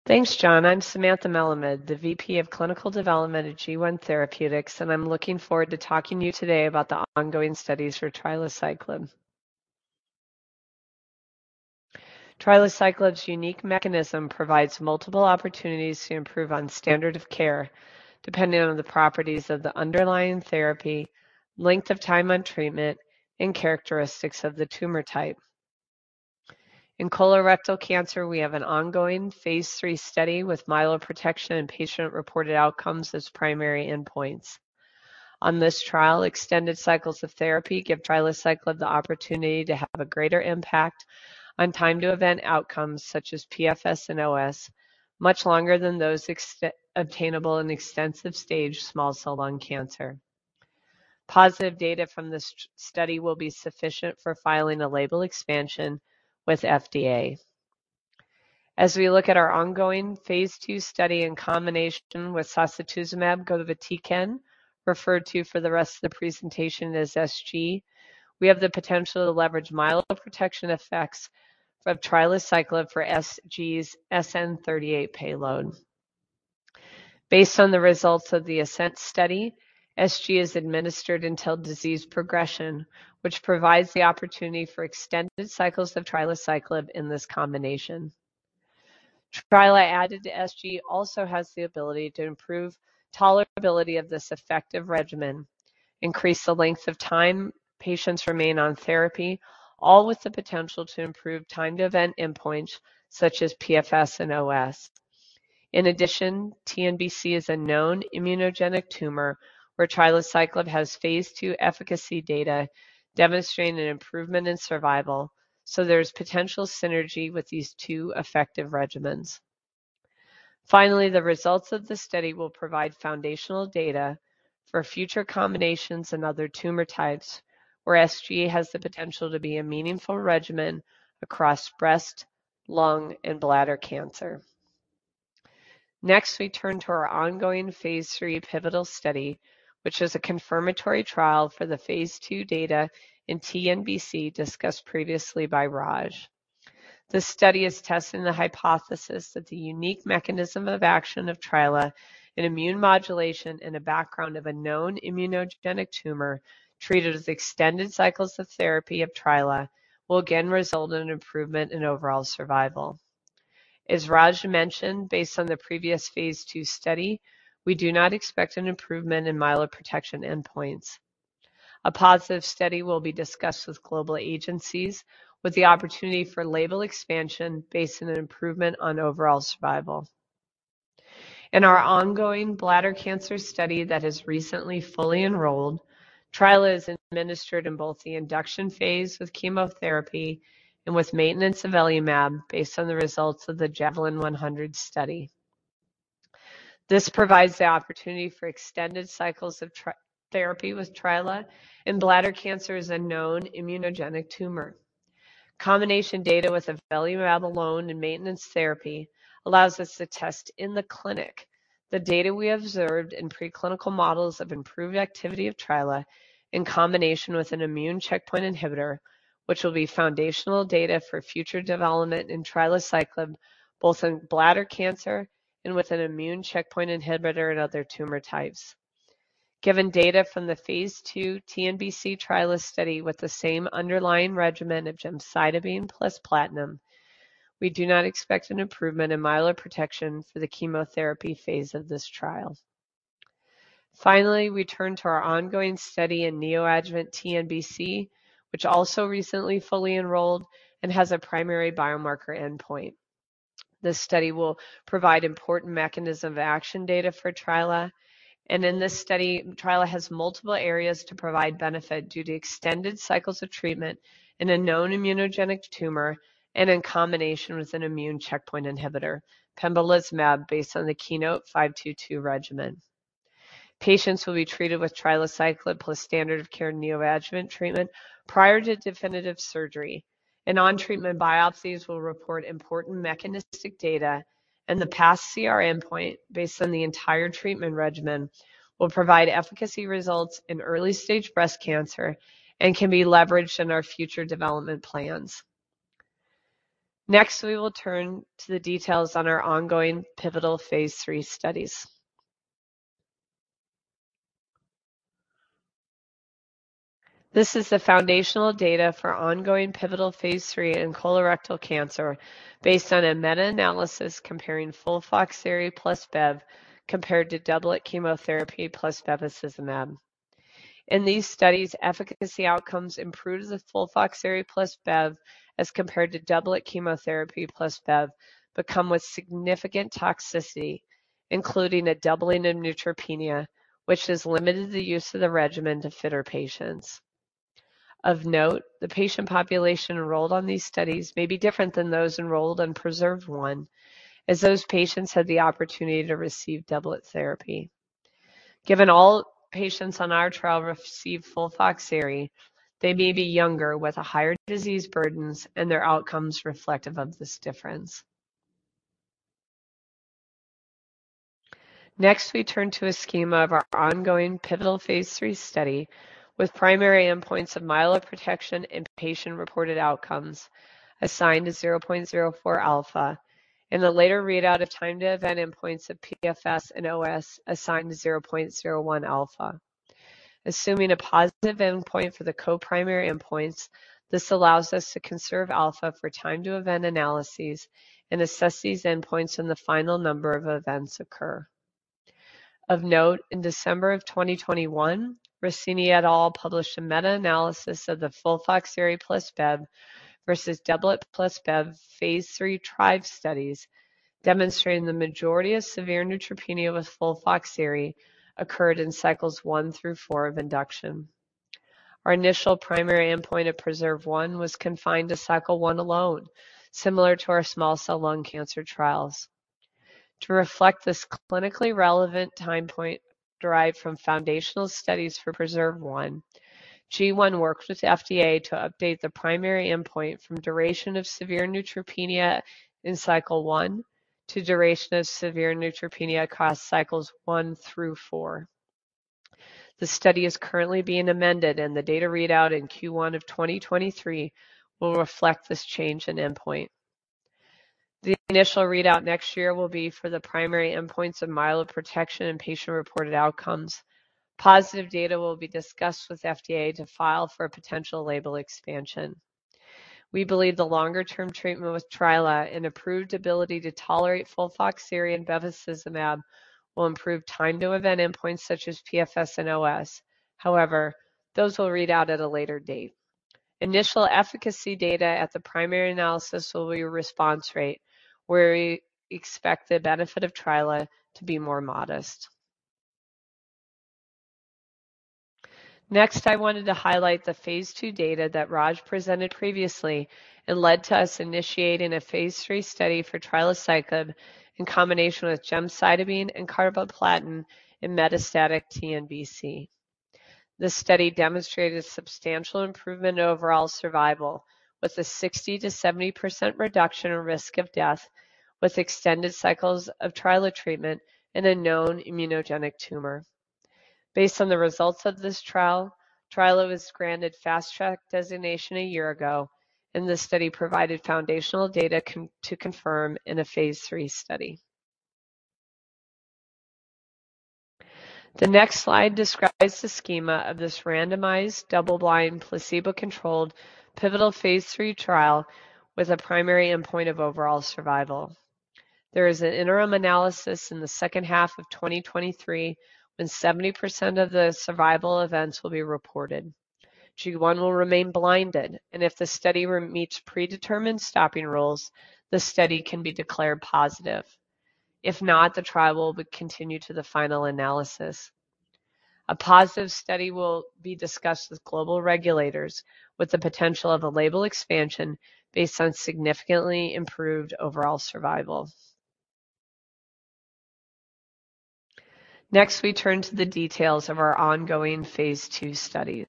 Thanks, John. I'm Samantha Melamed, the VP of Clinical Development at G1 Therapeutics, and I'm looking forward to talking to you today about the ongoing studies for trilaciclib. Trilaciclib's unique mechanism provides multiple opportunities to improve on standard of care, depending on the properties of the underlying therapy, length of time on treatment, and characteristics of the tumor type. In colorectal cancer, we have an ongoing phase three study with myeloprotection and patient-reported outcomes as primary endpoints. On this trial, extended cycles of therapy give trilaciclib the opportunity to have a greater impact on time to event outcomes such as PFS and OS, much longer than those obtainable in extensive stage small cell lung cancer. Positive data from this study will be sufficient for filing a label expansion with FDA. As we look at our ongoing phase II study in combination with sacituzumab govitecan, referred to for the rest of the presentation as SG, we have the potential to leverage myeloprotection effects of trilaciclib for SG's SN38 payload. Based on the results of the ASCENT study, SG is administered until disease progression, which provides the opportunity for extended cycles of trilaciclib in this combination. Trilaciclib added to SG also has the ability to improve tolerability of this effective regimen, increase the length of time patients remain on therapy, all with the potential to improve time to event endpoints such as PFS and OS. In addition, TNBC is a known immunogenic tumor where trilaciclib has phase II efficacy data demonstrating an improvement in survival, so there's potential synergy with these two effective regimens. Finally, the results of the study will provide foundational data for future combinations and other tumor types where SG has the potential to be a meaningful regimen across breast, lung, and bladder cancer. Next, we turn to our ongoing phase III pivotal study, which is a confirmatory trial for the phase II data in TNBC discussed previously by Raj. This study is testing the hypothesis that the unique mechanism of action of trilaciclib in immune modulation in a background of a known immunogenic tumor treated with extended cycles of therapy of trilaciclib will again result in an improvement in overall survival. As Raj mentioned, based on the previous phase II study, we do not expect an improvement in myeloprotection endpoints. A positive study will be discussed with global agencies with the opportunity for label expansion based on an improvement on overall survival. In our ongoing bladder cancer study that has recently fully enrolled, trilaciclib is administered in both the induction phase with chemotherapy and with maintenance of avelumab based on the results of the JAVELIN Bladder 100 study. This provides the opportunity for extended cycles of trilaciclib therapy with trilaciclib in bladder cancer as a known immunogenic tumor. Combination data with avelumab alone in maintenance therapy allows us to test in the clinic the data we observed in preclinical models of improved activity of trilaciclib in combination with an immune checkpoint inhibitor, which will be foundational data for future development in trilaciclib combo, both in bladder cancer and with an immune checkpoint inhibitor in other tumor types. Given data from the phase II TNBC trilaciclib study with the same underlying regimen of gemcitabine plus platinum, we do not expect an improvement in myeloprotection for the chemotherapy phase of this trial. Finally, we turn to our ongoing study in neoadjuvant TNBC, which also recently fully enrolled and has a primary biomarker endpoint. This study will provide important mechanism of action data for trilaciclib. In this study, trilaciclib has multiple areas to provide benefit due to extended cycles of treatment in a known immunogenic tumor and in combination with an immune checkpoint inhibitor, pembrolizumab, based on the KEYNOTE-522 regimen. Patients will be treated with trilaciclib plus standard of care neoadjuvant treatment prior to definitive surgery, and on-treatment biopsies will report important mechanistic data, and the pCR endpoint based on the entire treatment regimen will provide efficacy results in early-stage breast cancer and can be leveraged in our future development plans. Next, we will turn to the details on our ongoing pivotal phase III studies. This is the foundational data for ongoing pivotal phase III in colorectal cancer based on a meta-analysis comparing FOLFOXIRI plus Bev compared to doublet chemotherapy plus bevacizumab. In these studies, efficacy outcomes improved with FOLFOXIRI plus Bev as compared to doublet chemotherapy plus Bev, but come with significant toxicity, including a doubling in neutropenia, which has limited the use of the regimen to fitter patients. Of note, the patient population enrolled on these studies may be different than those enrolled in PRESERVE 1, as those patients had the opportunity to receive doublet therapy. Given all patients on our trial receive FOLFOXIRI, they may be younger with a higher disease burdens and their outcomes reflective of this difference. Next, we turn to a schema of our ongoing pivotal phase III study with primary endpoints of myeloprotection and patient-reported outcomes assigned to 0.04 alpha, and the later readout of time-to-event endpoints of PFS and OS assigned to 0.01 alpha. Assuming a positive endpoint for the co-primary endpoints, this allows us to conserve alpha for time-to-event analyses and assess these endpoints when the final number of events occur. Of note, in December 2021, Rossini et al. Published a meta-analysis of the FOLFOXIRI plus Bev versus doublet plus Bev phase III TRIBE studies demonstrating the majority of severe neutropenia with FOLFOXIRI occurred in Cycles 1 through 4 of induction. Our initial primary endpoint of PRESERVE 1 was confined to Cycle 1 alone, similar to our small cell lung cancer trials. To reflect this clinically relevant time point derived from foundational studies for PRESERVE 1, G1 worked with the FDA to update the primary endpoint from duration of severe neutropenia in Cycle 1 to duration of severe neutropenia across Cycles 1 through 4. The study is currently being amended, and the data readout in Q1 of 2023 will reflect this change in endpoint. The initial readout next year will be for the primary endpoints of myeloprotection and patient-reported outcomes. Positive data will be discussed with FDA to file for a potential label expansion. We believe the longer-term treatment with trilaciclib and improved ability to tolerate FOLFOXIRI and bevacizumab will improve time-to-event endpoints such as PFS and OS. However, those will read out at a later date. Initial efficacy data at the primary analysis will be response rate, where we expect the benefit of trilaciclib to be more modest. Next, I wanted to highlight the phase II data that Raj presented previously and led to us initiating a phase III study for trilaciclib in combination with gemcitabine and carboplatin in metastatic TNBC. This study demonstrated substantial improvement in overall survival, with a 60%-70% reduction in risk of death, with extended cycles of trilaciclib treatment in a known immunogenic tumor. Based on the results of this trial, trilaciclib was granted Fast Track designation a year ago, and this study provided foundational data to confirm in a phase III study. The next slide describes the schema of this randomized double-blind, placebo-controlled pivotal phase III trial with a primary endpoint of overall survival. There is an interim analysis in the H2 of 2023 when 70% of the survival events will be reported. G1 will remain blinded, and if the study re-meets predetermined stopping rules, the study can be declared positive. If not, the trial will continue to the final analysis. A positive study will be discussed with global regulators with the potential of a label expansion based on significantly improved overall survival. Next, we turn to the details of our ongoing phase II studies.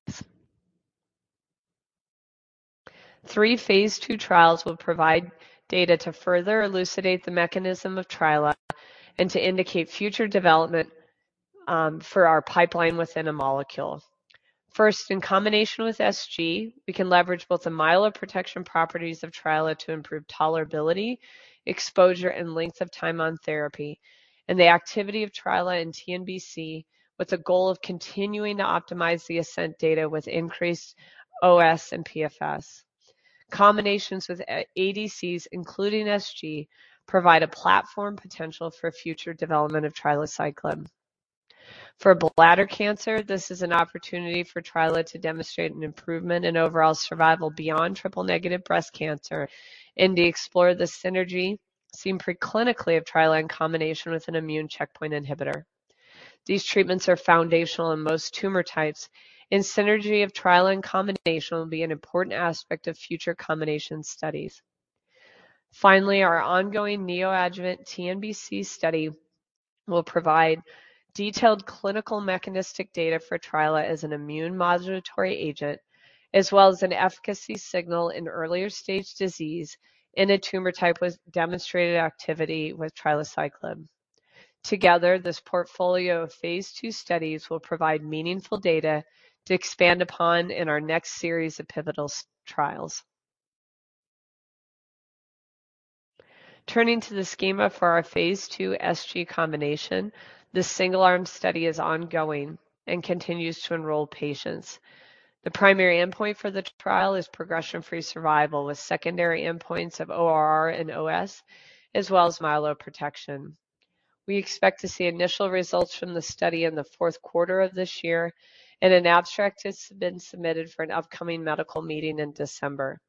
Three phase II trials will provide data to further elucidate the mechanism of trilaciclib and to indicate future development for our pipeline within a molecule. First, in combination with SG, we can leverage both the myeloprotection properties of trilaciclib to improve tolerability, exposure, and length of time on therapy, and the activity of trilaciclib in TNBC with the goal of continuing to optimize the ASCENT data with increased OS and PFS. Combinations with ADCs, including SG, provide a platform potential for future development of trilaciclib. For bladder cancer, this is an opportunity for trilaciclib to demonstrate an improvement in overall survival beyond triple-negative breast cancer and to explore the synergy seen pre-clinically of trilaciclib in combination with an immune checkpoint inhibitor. These treatments are foundational in most tumor types, and synergy of trilaciclib in combination will be an important aspect of future combination studies. Finally, our ongoing neoadjuvant TNBC study will provide detailed clinical mechanistic data for trilaciclib as an immune modulatory agent, as well as an efficacy signal in earlier stage disease in a tumor type with demonstrated activity with trilaciclib. Together, this portfolio of phase II studies will provide meaningful data to expand upon in our next series of phase III trials. turning to the schema for our phase II SG combination, this single-arm study is ongoing and continues to enroll patients. The primary endpoint for the trial is progression-free survival, with secondary endpoints of ORR and OS, as well as myeloprotection. We expect to see initial results from the study in the Q4 of this year, and an abstract has been submitted for an upcoming medical meeting in December.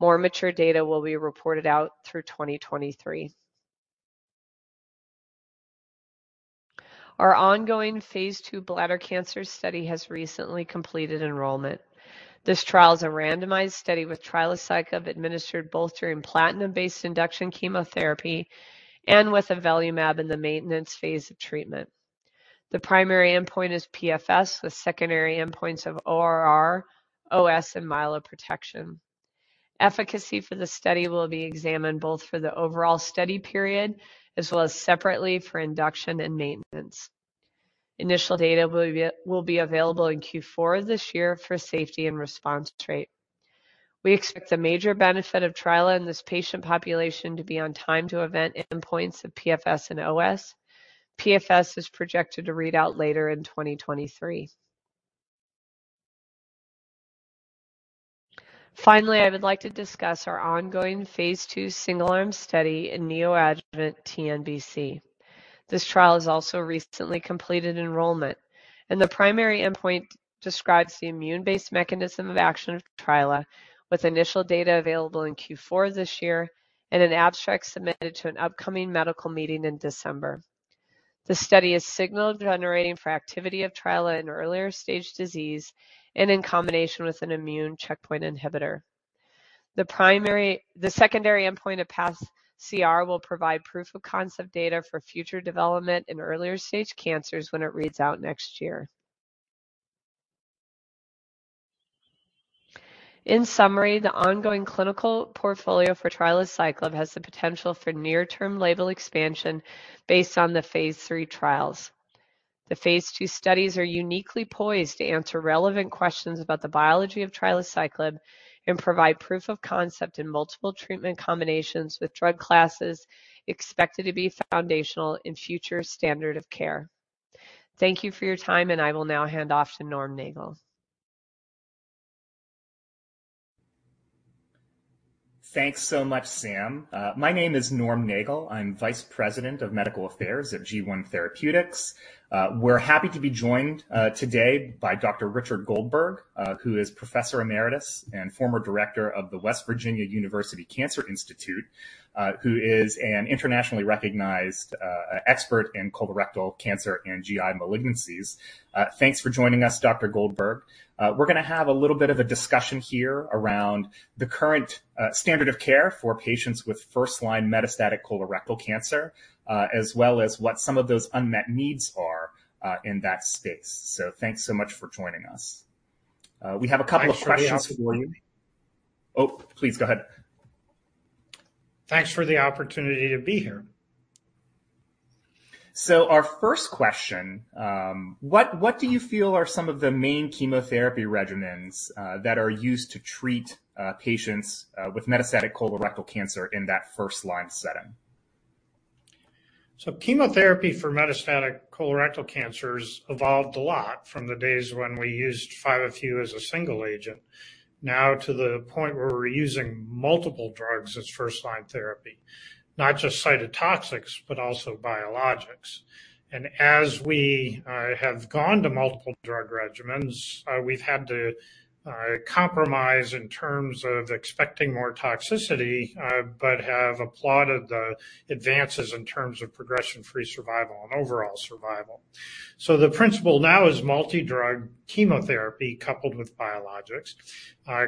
More mature data will be reported out through 2023. Our ongoing phase II bladder cancer study has recently completed enrollment. This trial is a randomized study with trilaciclib administered both during platinum-based induction chemotherapy and with avelumab in the maintenance phase of treatment. The primary endpoint is PFS, with secondary endpoints of ORR, OS, and myeloprotection. Efficacy for the study will be examined both for the overall study period as well as separately for induction and maintenance. Initial data will be available in Q4 this year for safety and response rate. We expect the major benefit of trilaciclib in this patient population to be on time to event endpoints of PFS and OS. PFS is projected to read out later in 2023. Finally, I would like to discuss our ongoing phase II single-arm study in neoadjuvant TNBC. This trial has also recently completed enrollment, and the primary endpoint describes the immune-based mechanism of action of trilaciclib, with initial data available in Q4 this year and an abstract submitted to an upcoming medical meeting in December. The study is signal generating for activity of trilaciclib in earlier stage disease and in combination with an immune checkpoint inhibitor. The secondary endpoint of pCR will provide proof-of-concept data for future development in earlier stage cancers when it reads out next year. In summary, the ongoing clinical portfolio for trilaciclib has the potential for near-term label expansion based on the phase III trials. The phase II studies are uniquely poised to answer relevant questions about the biology of trilaciclib and provide proof of concept in multiple treatment combinations with drug classes expected to be foundational in future standard of care. Thank you for your time, and I will now hand off to Norman Nagl. Thanks so much, Sam. My name is Norman Nagl. I'm Vice President of Medical Affairs at G1 Therapeutics. We're happy to be joined today by Dr. Richard Goldberg, who is Professor Emeritus and former Director of the West Virginia University Cancer Institute, who is an internationally recognized expert in colorectal cancer and GI malignancies. Thanks for joining us, Dr. Goldberg. We're gonna have a little bit of a discussion here around the current standard of care for patients with first-line metastatic colorectal cancer, as well as what some of those unmet needs are in that space. Thanks so much for joining us. We have a couple of questions for you. Please go ahead. Thanks for the opportunity to be here. Our first question. What do you feel are some of the main chemotherapy regimens that are used to treat patients with metastatic colorectal cancer in that first-line setting? Chemotherapy for metastatic colorectal cancers evolved a lot from the days when we used 5-FU as a single agent, now to the point where we're using multiple drugs as first-line therapy. Not just cytotoxics, but also biologics. As we have gone to multiple drug regimens, we've had to compromise in terms of expecting more toxicity, but have applauded the advances in terms of progression-free survival and overall survival. The principle now is multi-drug chemotherapy coupled with biologics.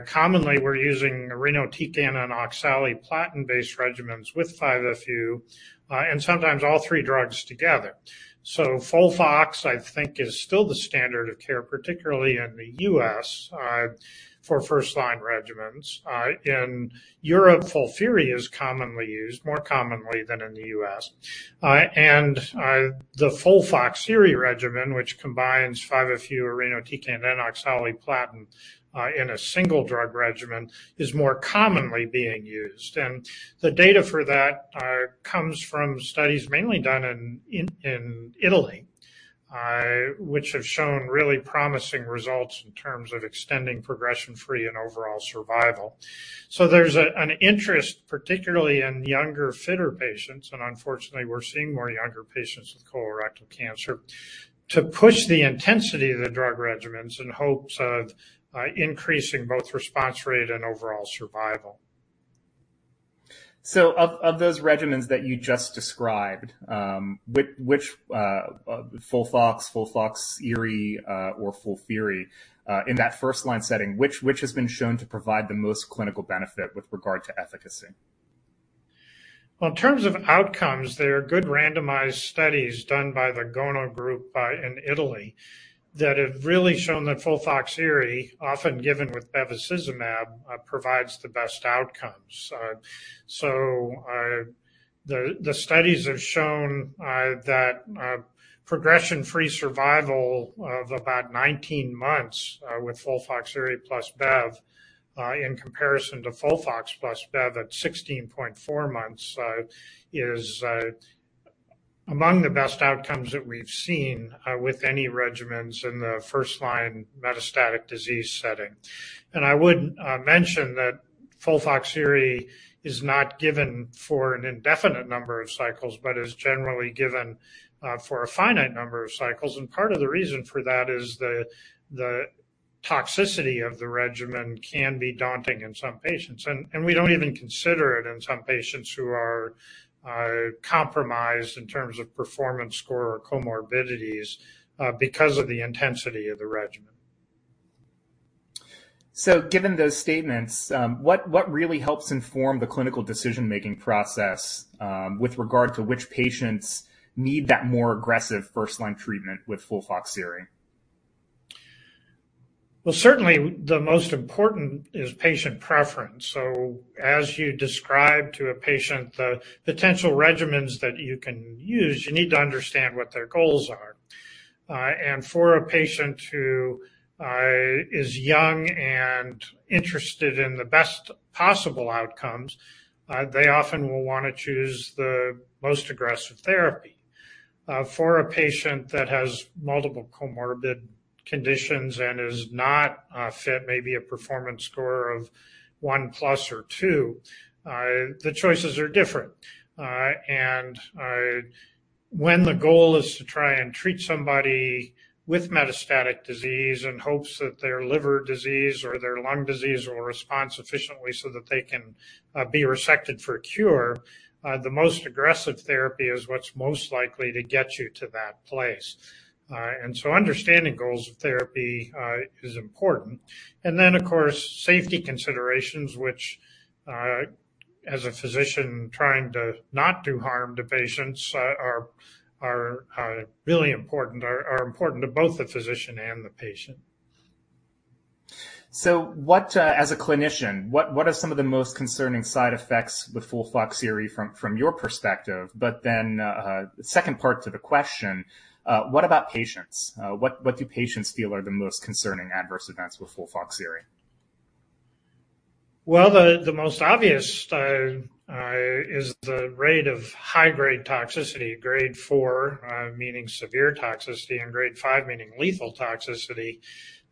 Commonly, we're using irinotecan and oxaliplatin-based regimens with 5-FU, and sometimes all three drugs together. FOLFOX, I think, is still the standard of care, particularly in the U.S., for first-line regimens. In Europe, FOLFIRI is commonly used, more commonly than in the U.S. The FOLFOXIRI regimen, which combines 5-FU, irinotecan, and oxaliplatin, in a single drug regimen, is more commonly being used. The data for that comes from studies mainly done in Italy, which have shown really promising results in terms of extending progression-free and overall survival. There's an interest, particularly in younger, fitter patients, and unfortunately, we're seeing more younger patients with colorectal cancer, to push the intensity of the drug regimens in hopes of increasing both response rate and overall survival. Of those regimens that you just described, FOLFOX, FOLFOXIRI, or FOLFIRI in that first-line setting, which has been shown to provide the most clinical benefit with regard to efficacy? Well, in terms of outcomes, there are good randomized studies done by the GONO group in Italy that have really shown that FOLFOXIRI, often given with bevacizumab, provides the best outcomes. So, the studies have shown that progression-free survival of about 19 months with FOLFOXIRI plus Bev in comparison to FOLFOX plus Bev at 16.4 months is among the best outcomes that we've seen with any regimens in the first-line metastatic disease setting. I would mention that FOLFOXIRI is not given for an indefinite number of cycles but is generally given for a finite number of cycles. Part of the reason for that is the toxicity of the regimen can be daunting in some patients. We don't even consider it in some patients who are compromised in terms of performance score or comorbidities, because of the intensity of the regimen. Given those statements, what really helps inform the clinical decision-making process, with regard to which patients need that more aggressive first-line treatment with FOLFOXIRI? Well, certainly the most important is patient preference. As you describe to a patient the potential regimens that you can use, you need to understand what their goals are. For a patient who is young and interested in the best possible outcomes, they often will wanna choose the most aggressive therapy. For a patient that has multiple comorbid conditions and is not fit, maybe a performance score of one+ or two, the choices are different. When the goal is to try and treat somebody with metastatic disease in hopes that their liver disease or their lung disease will respond sufficiently so that they can be resected for a cure, the most aggressive therapy is what's most likely to get you to that place. Understanding goals of therapy is important. Of course, safety considerations, which, as a physician trying to not do harm to patients, are really important to both the physician and the patient. As a clinician, what are some of the most concerning side effects with FOLFOXIRI from your perspective? Second part to the question, what about patients? What do patients feel are the most concerning adverse events with FOLFOXIRI? Well, the most obvious is the rate of high-grade toxicity. Grade 4, meaning severe toxicity, and grade 5 meaning lethal toxicity,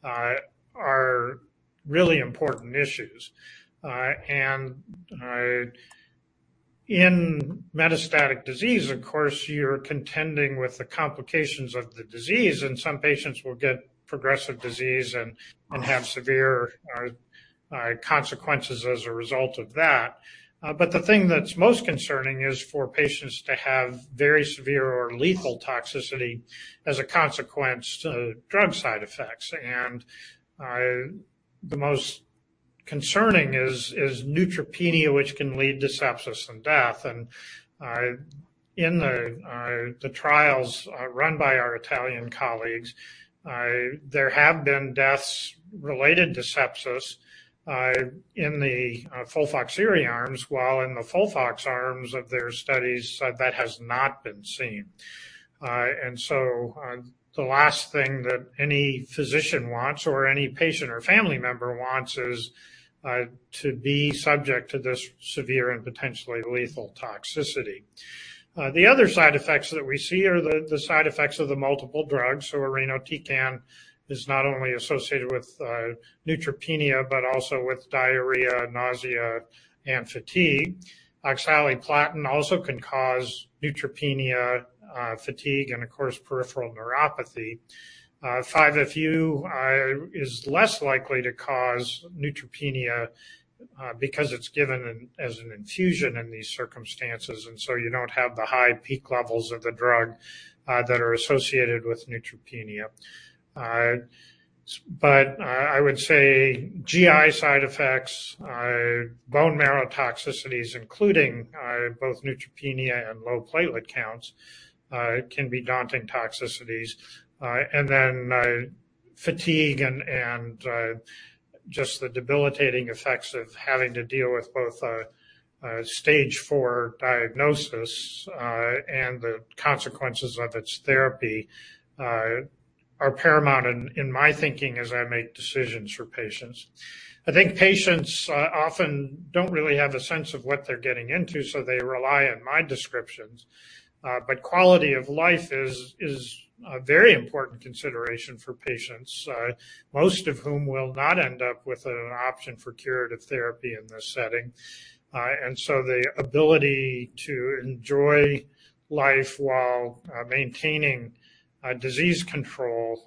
are really important issues. In metastatic disease, of course, you're contending with the complications of the disease, and some patients will get progressive disease and have severe consequences as a result of that. The thing that's most concerning is for patients to have very severe or lethal toxicity as a consequence to drug side effects. The most concerning is neutropenia, which can lead to sepsis and death. In the trials run by our Italian colleagues, there have been deaths related to sepsis in the FOLFOXIRI arms, while in the FOLFOX arms of their studies, that has not been seen. The last thing that any physician wants or any patient or family member wants is to be subject to this severe and potentially lethal toxicity. The other side effects that we see are the side effects of the multiple drugs. irinotecan is not only associated with neutropenia but also with diarrhea, nausea, and fatigue. oxaliplatin also can cause neutropenia, fatigue, and of course, peripheral neuropathy. 5-FU is less likely to cause neutropenia because it's given as an infusion in these circumstances, and you don't have the high peak levels of the drug that are associated with neutropenia. but I would say GI side effects, bone marrow toxicities, including both neutropenia and low platelet counts, can be daunting toxicities. Fatigue and just the debilitating effects of having to deal with both a stage four diagnosis and the consequences of its therapy are paramount in my thinking as I make decisions for patients. I think patients often don't really have a sense of what they're getting into, so they rely on my descriptions. Quality of life is a very important consideration for patients, most of whom will not end up with an option for curative therapy in this setting. The ability to enjoy life while maintaining disease control,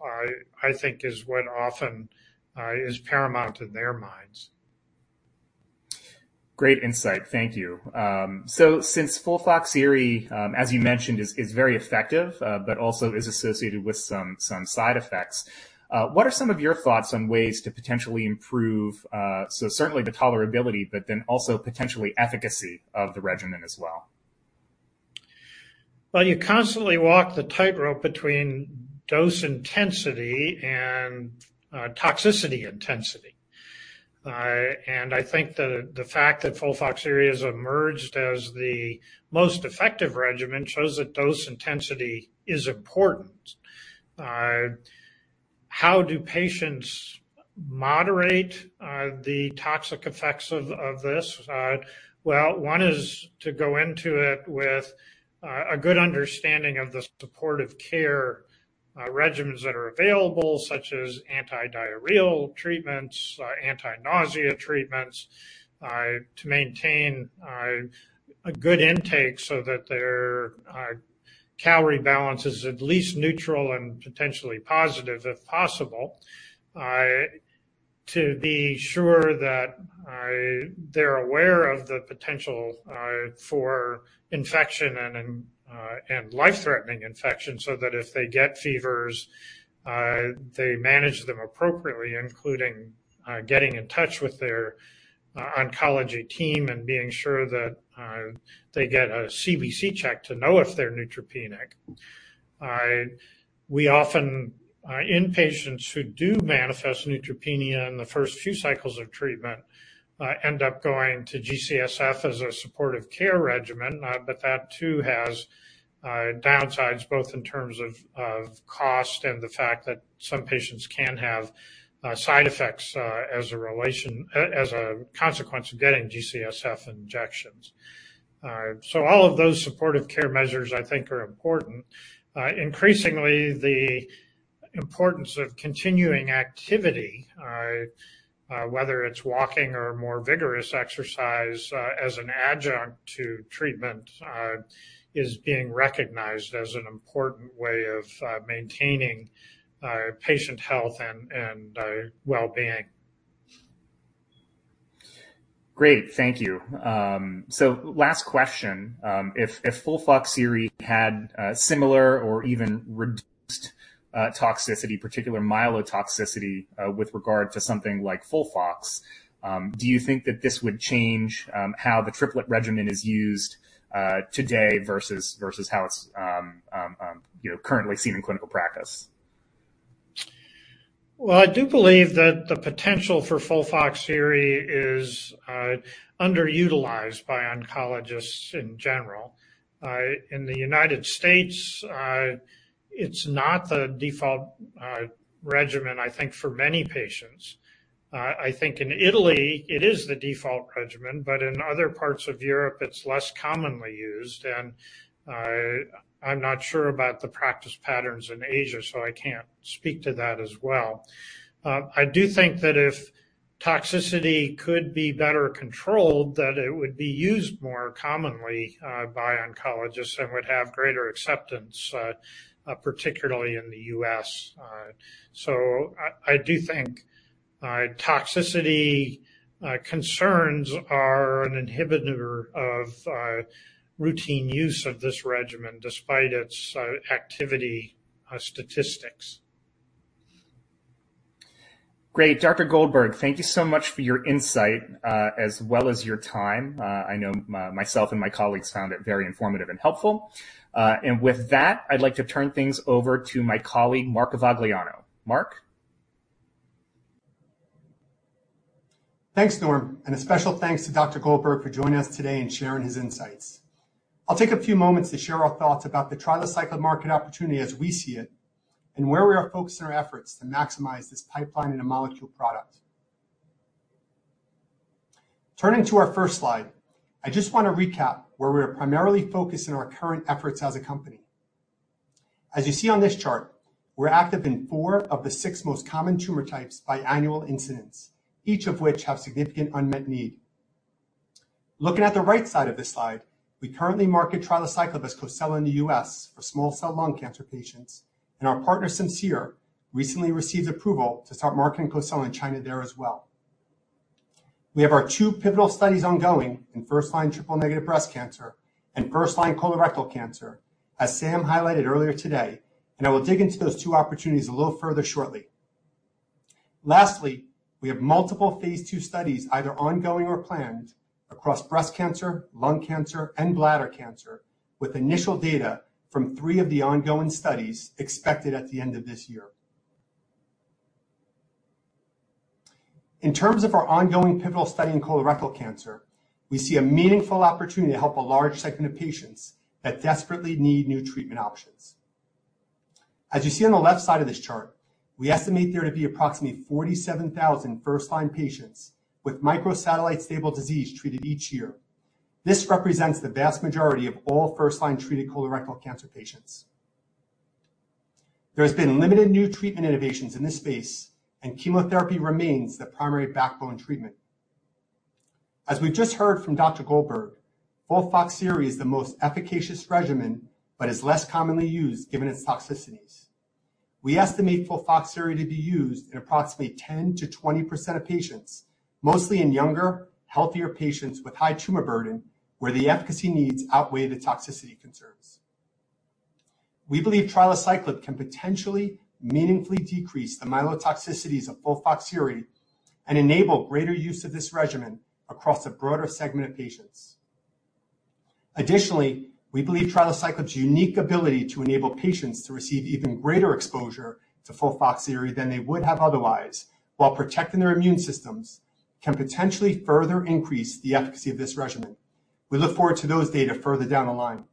I think is what often is paramount in their minds. Great insight. Thank you. Since FOLFOXIRI, as you mentioned, is very effective, but also is associated with some side effects, what are some of your thoughts on ways to potentially improve, so certainly the tolerability but then also potentially efficacy of the regimen as well? Well, you constantly walk the tightrope between dose intensity and toxicity intensity. I think the fact that FOLFOXIRI has emerged as the most effective regimen shows that dose intensity is important. How do patients moderate the toxic effects of this? Well, one is to go into it with a good understanding of the supportive care regimens that are available, such as antidiarrheal treatments, anti-nausea treatments, to maintain a good intake so that their calorie balance is at least neutral and potentially positive, if possible. To be sure that they're aware of the potential for infection and life-threatening infection, so that if they get fevers, they manage them appropriately, including getting in touch with their oncology team and being sure that they get a CBC check to know if they're neutropenic. We often in patients who do manifest neutropenia in the first few cycles of treatment end up going to G-CSF as a supportive care regimen. That too has downsides both in terms of cost and the fact that some patients can have side effects as a consequence of getting G-CSF injections. All of those supportive care measures I think are important. Increasingly the importance of continuing activity, whether it's walking or more vigorous exercise, as an adjunct to treatment, is being recognized as an important way of maintaining patient health and well-being. Great. Thank you. Last question. If FOLFOXIRI had similar or even reduced toxicity, particularly myelotoxicity, with regard to something like FOLFOX, do you think that this would change how the triplet regimen is used today versus how it's currently seen in clinical practice? Well, I do believe that the potential for FOLFOXIRI is underutilized by oncologists in general. In the United States, it's not the default regimen I think for many patients. I think in Italy it is the default regimen, but in other parts of Europe it's less commonly used, and I'm not sure about the practice patterns in Asia, so I can't speak to that as well. I do think that if toxicity could be better controlled, that it would be used more commonly by oncologists and would have greater acceptance, particularly in the U.S. I do think toxicity concerns are an inhibitor of routine use of this regimen despite its activity statistics. Great. Dr. Goldberg, thank you so much for your insight, as well as your time. I know myself and my colleagues found it very informative and helpful. With that, I'd like to turn things over to my colleague, Mark Avagliano. Mark. Thanks, Norm, and a special thanks to Dr. Goldberg for joining us today and sharing his insights. I'll take a few moments to share our thoughts about the trilaciclib market opportunity as we see it and where we are focusing our efforts to maximize this pipeline in a molecule product. Turning to our first slide, I just wanna recap where we're primarily focused in our current efforts as a company. As you see on this chart, we're active in four of the six most common tumor types by annual incidence, each of which have significant unmet need. Looking at the right side of this slide, we currently market trilaciclib as COSELA in the U.S. for small cell lung cancer patients, and our partner, Simcere, recently received approval to start marketing COSELA in China there as well. We have our two pivotal studies ongoing in first-line triple-negative breast cancer and first-line colorectal cancer, as Sam highlighted earlier today, and I will dig into those two opportunities a little further shortly. Lastly, we have multiple phase II studies either ongoing or planned across breast cancer, lung cancer, and bladder cancer, with initial data from three of the ongoing studies expected at the end of this year. In terms of our ongoing pivotal study in colorectal cancer, we see a meaningful opportunity to help a large segment of patients that desperately need new treatment options. As you see on the left side of this chart, we estimate there to be approximately 47,000 first-line patients with microsatellite stable disease treated each year. This represents the vast majority of all first-line treated colorectal cancer patients. There has been limited new treatment innovations in this space, and chemotherapy remains the primary backbone treatment. As we just heard from Dr. Goldberg, FOLFOXIRI is the most efficacious regimen but is less commonly used given its toxicities. We estimate FOLFOXIRI to be used in approximately 10%-20% of patients, mostly in younger, healthier patients with high tumor burden, where the efficacy needs outweigh the toxicity concerns. We believe trilaciclib can potentially meaningfully decrease the myelotoxicities of FOLFOXIRI and enable greater use of this regimen across a broader segment of patients. Additionally, we believe trilaciclib's unique ability to enable patients to receive even greater exposure to FOLFOXIRI than they would have otherwise while protecting their immune systems can potentially further increase the efficacy of this regimen. We look forward to those data further down the line.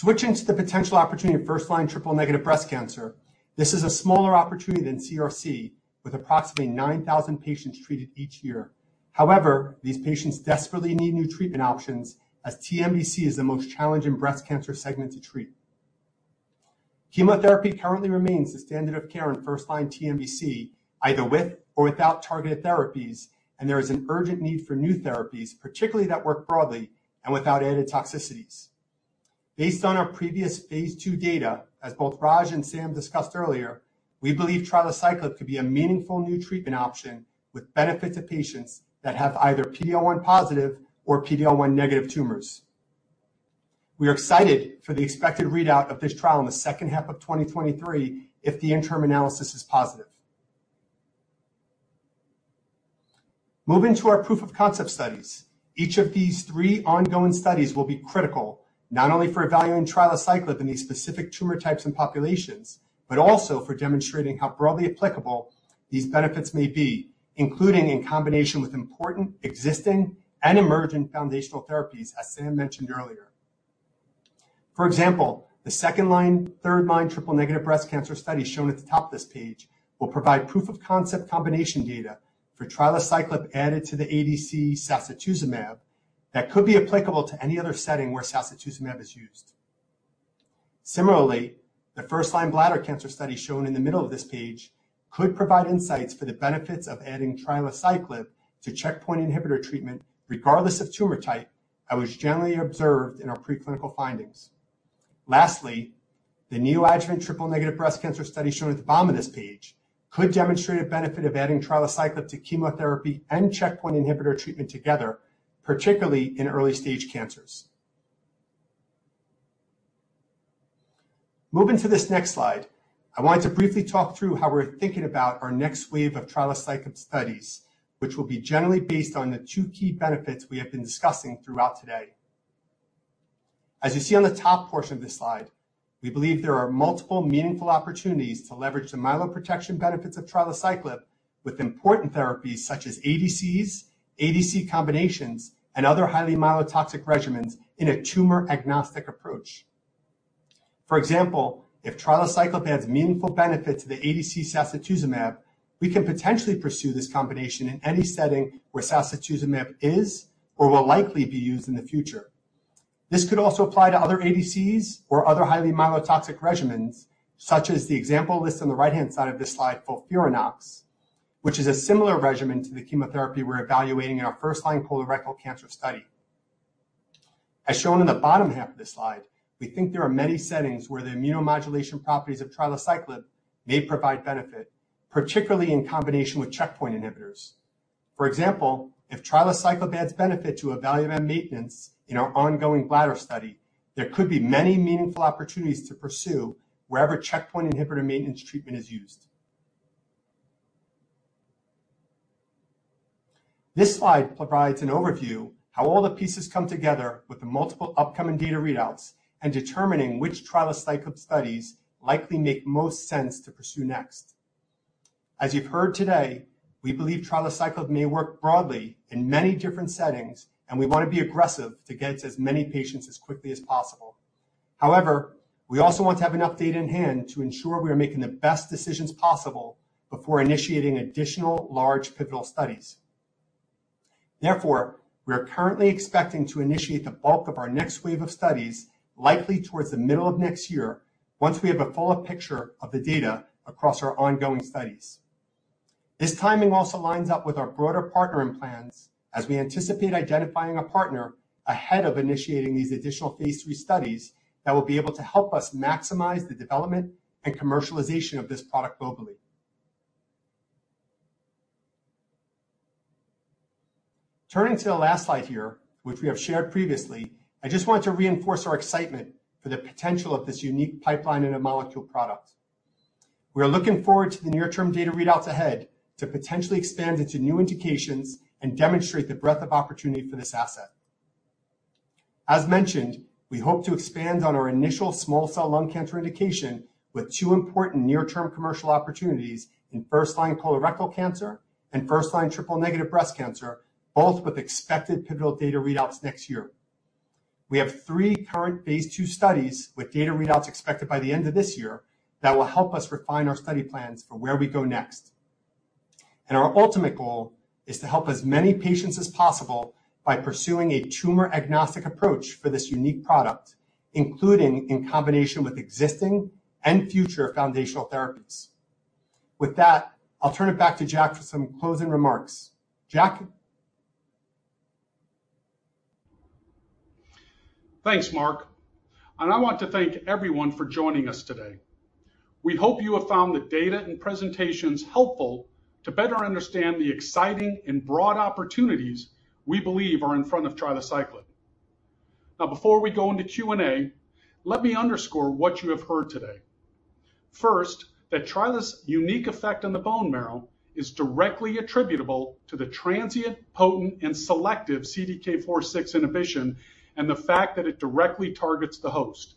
Switching to the potential opportunity of first-line triple-negative breast cancer, this is a smaller opportunity than CRC, with approximately 9,000 patients treated each year. However, these patients desperately need new treatment options, as TNBC is the most challenging breast cancer segment to treat. Chemotherapy currently remains the standard of care in first-line TNBC, either with or without targeted therapies, and there is an urgent need for new therapies, particularly that work broadly and without added toxicities. Based on our previous phase II data, as both Raj and Sam discussed earlier, we believe trilaciclib could be a meaningful new treatment option with benefit to patients that have either PD-L1 positive or PD-L1 negative tumors. We are excited for the expected readout of this trial in the H2 of 2023 if the interim analysis is positive. Moving to our proof of concept studies. Each of these three ongoing studies will be critical, not only for evaluating trilaciclib in these specific tumor types and populations, but also for demonstrating how broadly applicable these benefits may be, including in combination with important existing and emerging foundational therapies, as Sam mentioned earlier. For example, the second-line, third-line triple-negative breast cancer study shown at the top of this page will provide proof of concept combination data for trilaciclib added to the ADC sacituzumab that could be applicable to any other setting where sacituzumab is used. Similarly, the first-line bladder cancer study shown in the middle of this page could provide insights for the benefits of adding trilaciclib to checkpoint inhibitor treatment regardless of tumor type, and was generally observed in our preclinical findings. Lastly, the neoadjuvant triple-negative breast cancer study shown at the bottom of this page could demonstrate a benefit of adding trilaciclib to chemotherapy and checkpoint inhibitor treatment together, particularly in early stage cancers. Moving to this next slide, I wanted to briefly talk through how we're thinking about our next wave of trilaciclib studies, which will be generally based on the two key benefits we have been discussing throughout today. As you see on the top portion of this slide, we believe there are multiple meaningful opportunities to leverage the myeloprotection benefits of trilaciclib with important therapies such as ADCs, ADC combinations, and other highly myelotoxic regimens in a tumor-agnostic approach. For example, if trilaciclib adds meaningful benefit to the ADC sacituzumab, we can potentially pursue this combination in any setting where sacituzumab is or will likely be used in the future. This could also apply to other ADCs or other highly myelotoxic regimens, such as the example listed on the right-hand side of this slide, FOLFIRINOX, which is a similar regimen to the chemotherapy we're evaluating in our first-line colorectal cancer study. As shown in the bottom half of this slide, we think there are many settings where the immunomodulation properties of trilaciclib may provide benefit, particularly in combination with checkpoint inhibitors. For example, if trilaciclib adds benefit to avelumab maintenance in our ongoing bladder study, there could be many meaningful opportunities to pursue wherever checkpoint inhibitor maintenance treatment is used. This slide provides an overview of how all the pieces come together with the multiple upcoming data readouts and determining which trilaciclib studies likely make most sense to pursue next. As you've heard today, we believe trilaciclib may work broadly in many different settings, and we wanna be aggressive to get to as many patients as quickly as possible. However, we also want to have an update in hand to ensure we are making the best decisions possible before initiating additional large pivotal studies. Therefore, we are currently expecting to initiate the bulk of our next wave of studies, likely towards the middle of next year, once we have a fuller picture of the data across our ongoing studies. This timing also lines up with our broader partnering plans as we anticipate identifying a partner ahead of initiating these additional phase III studies that will be able to help us maximize the development and commercialization of this product globally. Turning to the last slide here, which we have shared previously, I just want to reinforce our excitement for the potential of this unique pipeline and a molecule product. We are looking forward to the near-term data readouts ahead to potentially expand into new indications and demonstrate the breadth of opportunity for this asset. As mentioned, we hope to expand on our initial small-cell lung cancer indication with two important near-term commercial opportunities in first-line colorectal cancer and first-line triple-negative breast cancer, both with expected pivotal data readouts next year. We have 3 current phase II studies with data readouts expected by the end of this year that will help us refine our study plans for where we go next. Our ultimate goal is to help as many patients as possible by pursuing a tumor-agnostic approach for this unique product, including in combination with existing and future foundational therapies. With that, I'll turn it back to Jack for some closing remarks. Jack? Thanks, Mark, and I want to thank everyone for joining us today. We hope you have found the data and presentations helpful to better understand the exciting and broad opportunities we believe are in front of trilaciclib. Now, before we go into Q&A, let me underscore what you have heard today. First, that trilaciclib's unique effect on the bone marrow is directly attributable to the transient, potent, and selective CDK4/6 inhibition and the fact that it directly targets the host.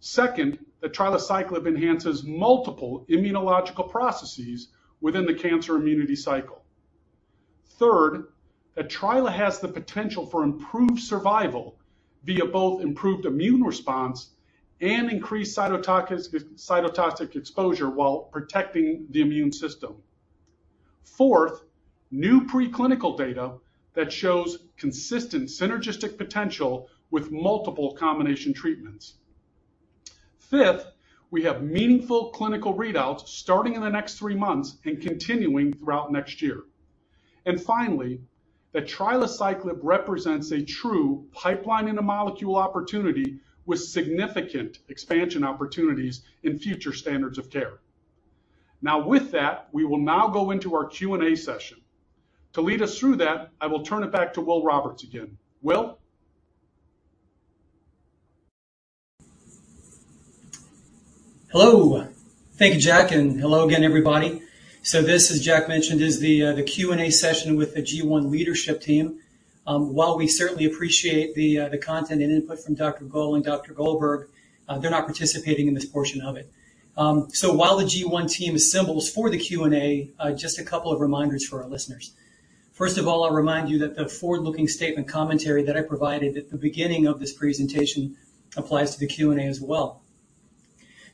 Second, that trilaciclib enhances multiple immunological processes within the cancer-immunity cycle. Third, that trilaciclib has the potential for improved survival via both improved immune response and increased cytotoxic exposure while protecting the immune system. Fourth, new preclinical data that shows consistent synergistic potential with multiple combination treatments. Fifth, we have meaningful clinical readouts starting in the next three months and continuing throughout next year. Finally, that trilaciclib represents a true pipeline-in-a-molecule opportunity with significant expansion opportunities in future standards of care. Now, with that, we will now go into our Q&A session. To lead us through that, I will turn it back to Will Roberts again. Will? Hello. Thank you, Jack, and hello again, everybody. This, as Jack mentioned, is the Q&A session with the G1 leadership team. While we certainly appreciate the content and input from Dr. Goel and Dr. Goldberg, they're not participating in this portion of it. While the G1 team assembles for the Q&A, just a couple of reminders for our listeners. First of all, I'll remind you that the forward-looking statement commentary that I provided at the beginning of this presentation applies to the Q&A as well.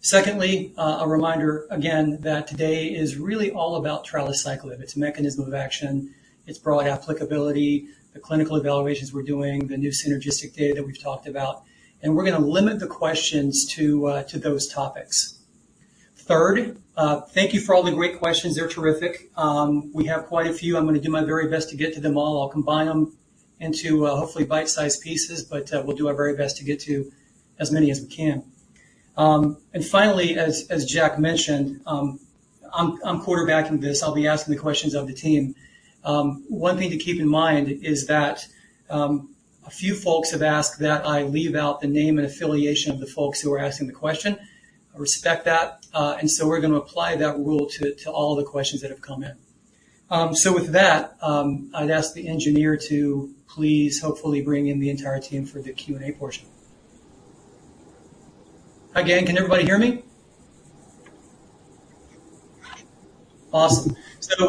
Secondly, a reminder again that today is really all about trilaciclib, its mechanism of action, its broad applicability, the clinical evaluations we're doing, the new synergistic data that we've talked about, and we're gonna limit the questions to those topics. Third, thank you for all the great questions. They're terrific. We have quite a few. I'm gonna do my very best to get to them all. I'll combine them into hopefully bite-sized pieces, but we'll do our very best to get to as many as we can. Finally, as Jack mentioned, I'm quarterbacking this. I'll be asking the questions of the team. One thing to keep in mind is that a few folks have asked that I leave out the name and affiliation of the folks who are asking the question. I respect that, and we're gonna apply that rule to all the questions that have come in. With that, I'd ask the engineer to please hopefully bring in the entire team for the Q&A portion. Hi, gang. Can everybody hear me? Awesome.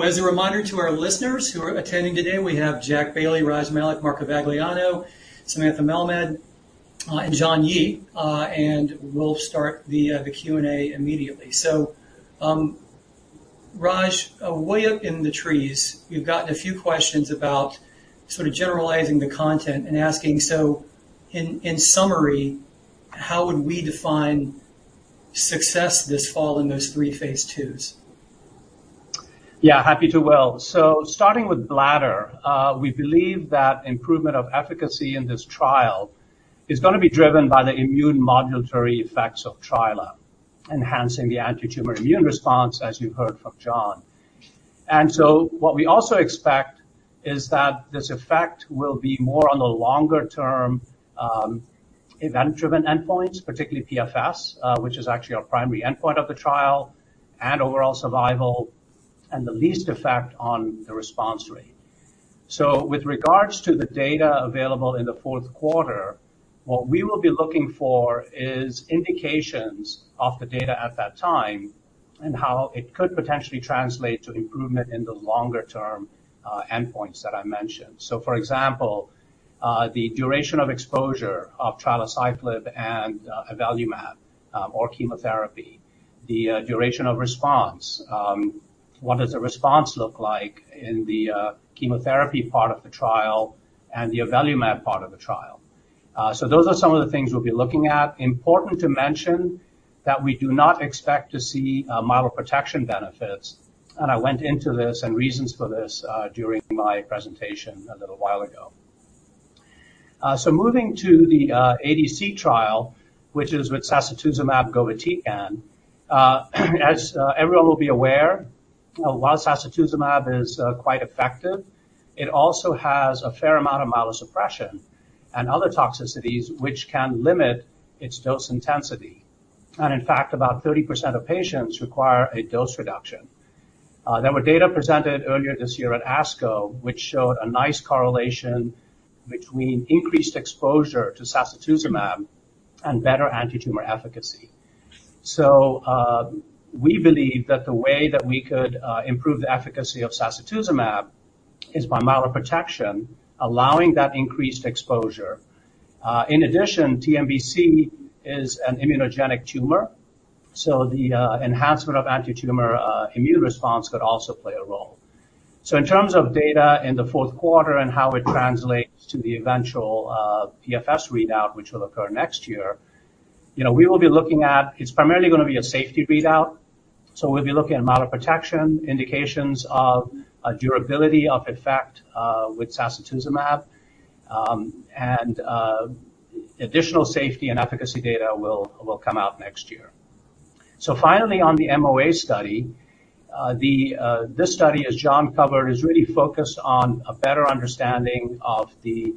As a reminder to our listeners who are attending today, we have Jack Bailey, Raj Malik, Mark Avagliano, Samantha Melamed, and John Yi, and we'll start the Q&A immediately. Raj, way up in the trees, we've gotten a few questions about sort of generalizing the content and asking, in summary, how would we define success this fall in those three phase twos? Yeah, happy to. Will, starting with bladder, we believe that improvement of efficacy in this trial is gonna be driven by the immune modulatory effects of trilaciclib, enhancing the antitumor immune response, as you heard from John Yi. What we also expect is that this effect will be more on the longer-term, event-driven endpoints, particularly PFS, which is actually our primary endpoint of the trial, and overall survival, and the least effect on the response rate. With regards to the data available in the Q4, what we will be looking for is indications of the data at that time and how it could potentially translate to improvement in the longer-term, endpoints that I mentioned. For example, the duration of exposure of trilaciclib and avelumab or chemotherapy, the duration of response, what does the response look like in the chemotherapy part of the trial and the avelumab part of the trial? Those are some of the things we'll be looking at. Important to mention that we do not expect to see myeloprotection benefits, and I went into this and reasons for this during my presentation a little while ago. Moving to the ADC trial, which is with sacituzumab govitecan. As everyone will be aware, while sacituzumab is quite effective, it also has a fair amount of myelosuppression and other toxicities which can limit its dose intensity. In fact, about 30% of patients require a dose reduction. There were data presented earlier this year at ASCO, which showed a nice correlation between increased exposure to sacituzumab and better antitumor efficacy. We believe that the way that we could improve the efficacy of sacituzumab is by myeloprotection, allowing that increased exposure. In addition, TNBC is an immunogenic tumor, so the enhancement of antitumor immune response could also play a role. In terms of data in the Q4 and how it translates to the eventual PFS readout, which will occur next year, you know, we will be looking at. It's primarily gonna be a safety readout, so we'll be looking at myeloprotection, indications of durability of effect with sacituzumab, and additional safety and efficacy data will come out next year. Finally, on the MOA study, this study, as John covered, is really focused on a better understanding of the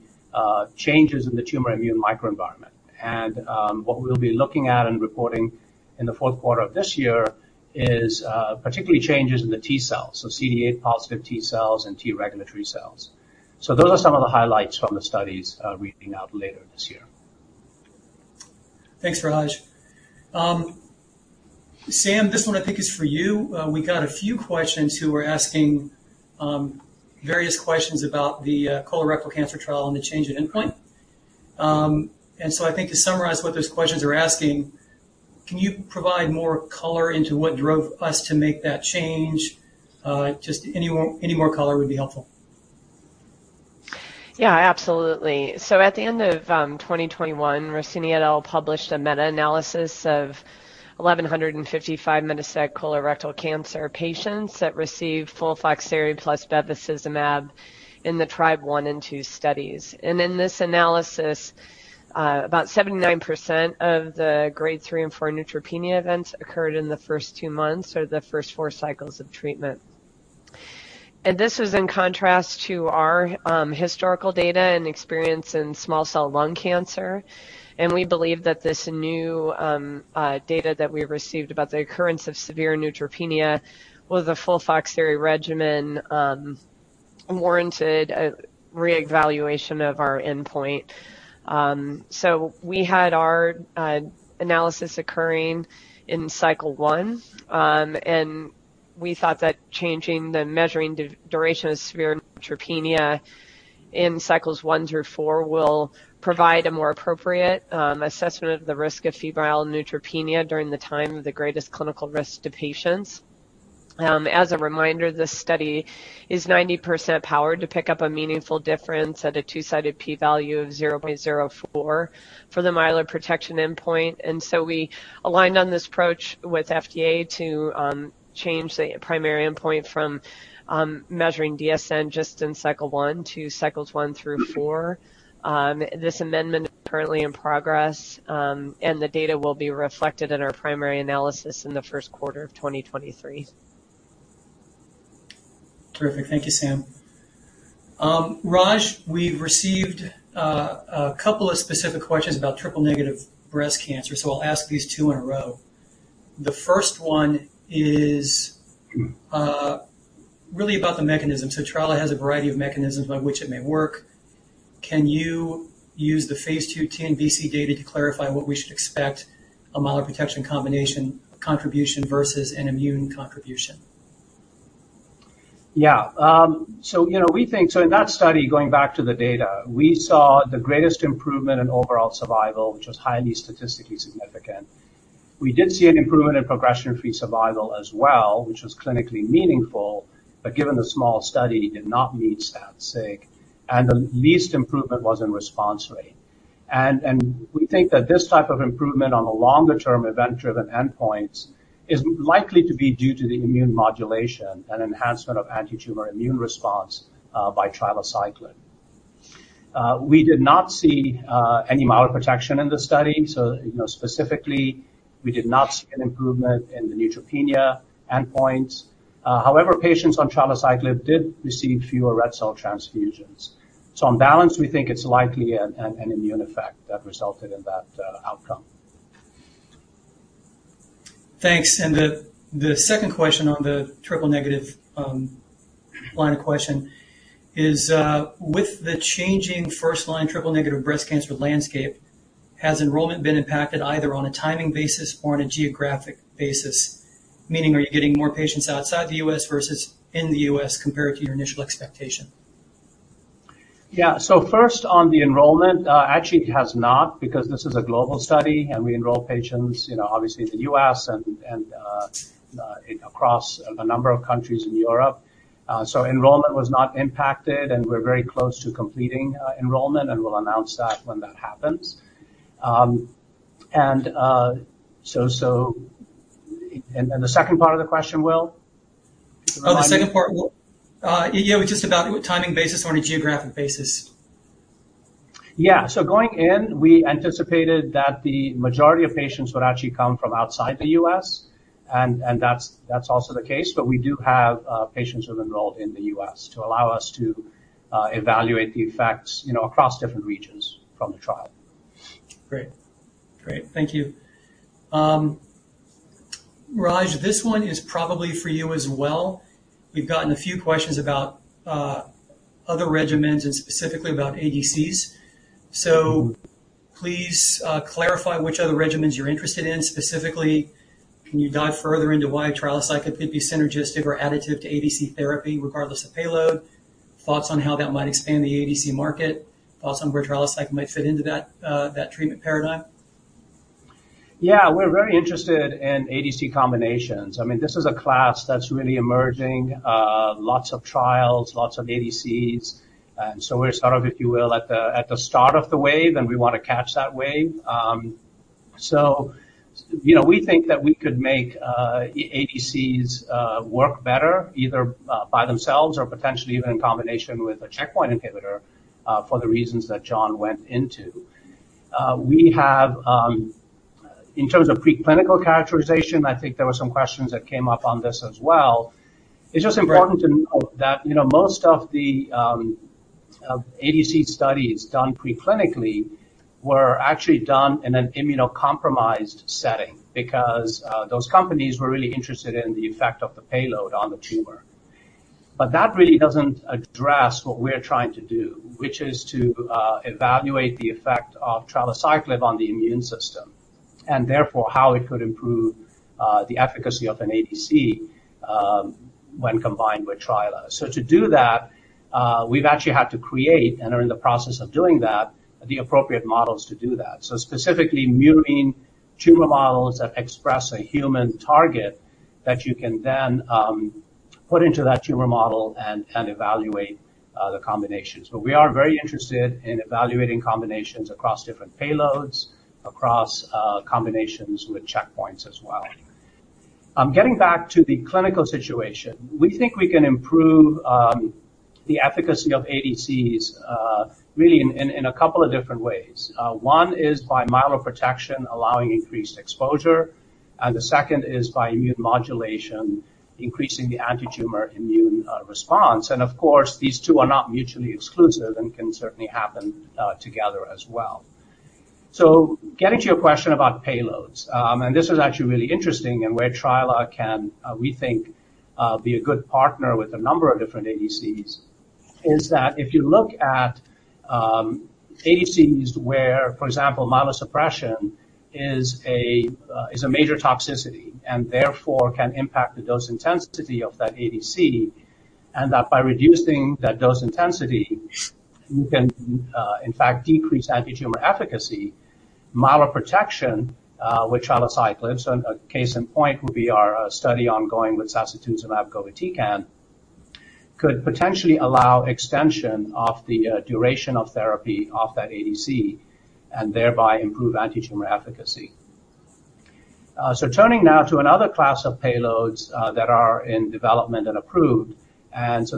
changes in the tumor immune microenvironment. What we'll be looking at and reporting in the Q4 of this year is particularly changes in the T cells, so CD8 positive T cells and T regulatory cells. Those are some of the highlights from the studies reading out later this year. Thanks, Raj. Sam, this one I think is for you. We got a few questions who are asking various questions about the colorectal cancer trial and the change in endpoint. I think to summarize what those questions are asking, can you provide more color into what drove us to make that change? Just any more color would be helpful. Yeah, absolutely. At the end of 2021, Rossini et al. published a meta-analysis of 1,155 metastatic colorectal cancer patients that received FOLFIRINOX plus bevacizumab in the TRIBE and TRIBE2 studies. In this analysis, about 79% of the grade 3 and 4 neutropenia events occurred in the first two months or the first 4 cycles of treatment. This was in contrast to our historical data and experience in small cell lung cancer. We believe that this new data that we received about the occurrence of severe neutropenia with a FOLFIRINOX regimen warranted a reevaluation of our endpoint. We had our analysis occurring in cycle 1, and we thought that changing the measuring duration of severe neutropenia in cycles 1 through 4 will provide a more appropriate assessment of the risk of febrile neutropenia during the time of the greatest clinical risk to patients. As a reminder, this study is 90% powered to pick up a meaningful difference at a two-sided p-value of 0.04 for the myeloprotection endpoint. We aligned on this approach with FDA to change the primary endpoint from measuring DSN just in cycle 1 to cycles 1 through 4. This amendment is currently in progress, and the data will be reflected in our primary analysis in the Q1 of 2023. Terrific. Thank you, Sam. Raj, we've received a couple of specific questions about triple-negative breast cancer, so I'll ask these two in a row. The first one is really about the mechanism. TriLA has a variety of mechanisms by which it may work. Can you use the phase II TNBC data to clarify what we should expect a myeloprotection combination contribution versus an immune contribution? In that study, going back to the data, we saw the greatest improvement in overall survival, which was highly statistically significant. We did see an improvement in progression-free survival as well, which was clinically meaningful, but given the small study, did not meet stat sig, and the least improvement was in response rate. We think that this type of improvement on the longer-term event-driven endpoints is likely to be due to the immune modulation and enhancement of antitumor immune response by trilaciclib. We did not see any myeloprotection in the study, so you know, specifically, we did not see an improvement in the neutropenia endpoints. However, patients on trilaciclib did receive fewer red cell transfusions. On balance, we think it's likely an immune effect that resulted in that outcome. Thanks. The second question on the triple-negative line of question is, with the changing first-line triple-negative breast cancer landscape, has enrollment been impacted either on a timing basis or on a geographic basis? Meaning, are you getting more patients outside the US versus in the US compared to your initial expectation? Yeah. First on the enrollment, actually it has not because this is a global study, and we enroll patients, you know, obviously in the US and across a number of countries in Europe. Enrollment was not impacted, and we're very close to completing enrollment, and we'll announce that when that happens. The second part of the question, Will? Oh, the second part, yeah, it was just about timing basis or on a geographic basis. Going in, we anticipated that the majority of patients would actually come from outside the U.S., and that's also the case. But we do have patients who have enrolled in the U.S. to allow us to evaluate the effects, you know, across different regions from the trial. Great. Thank you. Raj, this one is probably for you as well. We've gotten a few questions about other regimens and specifically about ADCs. Please clarify which other regimens you're interested in. Specifically, can you dive further into why trilaciclib could be synergistic or additive to ADC therapy regardless of payload? Thoughts on how that might expand the ADC market. Thoughts on where trilaciclib might fit into that treatment paradigm. Yeah. We're very interested in ADC combinations. I mean, this is a class that's really emerging, lots of trials, lots of ADCs. We're sort of, if you will, at the start of the wave, and we wanna catch that wave. You know, we think that we could make ADCs work better either by themselves or potentially even in combination with a checkpoint inhibitor for the reasons that John went into. We have, in terms of preclinical characterization, I think there were some questions that came up on this as well. It's just important to note that, you know, most of the ADC studies done preclinically were actually done in an immunocompromised setting because those companies were really interested in the effect of the payload on the tumor. That really doesn't address what we're trying to do, which is to evaluate the effect of trilaciclib on the immune system, and therefore, how it could improve the efficacy of an ADC when combined with trilaciclib. To do that, we've actually had to create, and are in the process of doing that, the appropriate models to do that. Specifically, murine tumor models that express a human target that you can then put into that tumor model and evaluate the combinations. We are very interested in evaluating combinations across different payloads, across combinations with checkpoints as well. Getting back to the clinical situation, we think we can improve the efficacy of ADCs really in a couple of different ways. One is by myeloprotection, allowing increased exposure, and the second is by immune modulation, increasing the antitumor immune response. Of course, these two are not mutually exclusive and can certainly happen together as well. Getting to your question about payloads, and this is actually really interesting and where trilaciclib can, we think, be a good partner with a number of different ADCs, is that if you look at ADCs where, for example, myelosuppression is a major toxicity and therefore can impact the dose intensity of that ADC, and that by reducing that dose intensity, you can in fact decrease antitumor efficacy, myeloprotection with trilaciclib, so a case in point would be our study ongoing with sacituzumab govitecan, could potentially allow extension of the duration of therapy of that ADC and thereby improve antitumor efficacy. Turning now to another class of payloads that are in development and approved,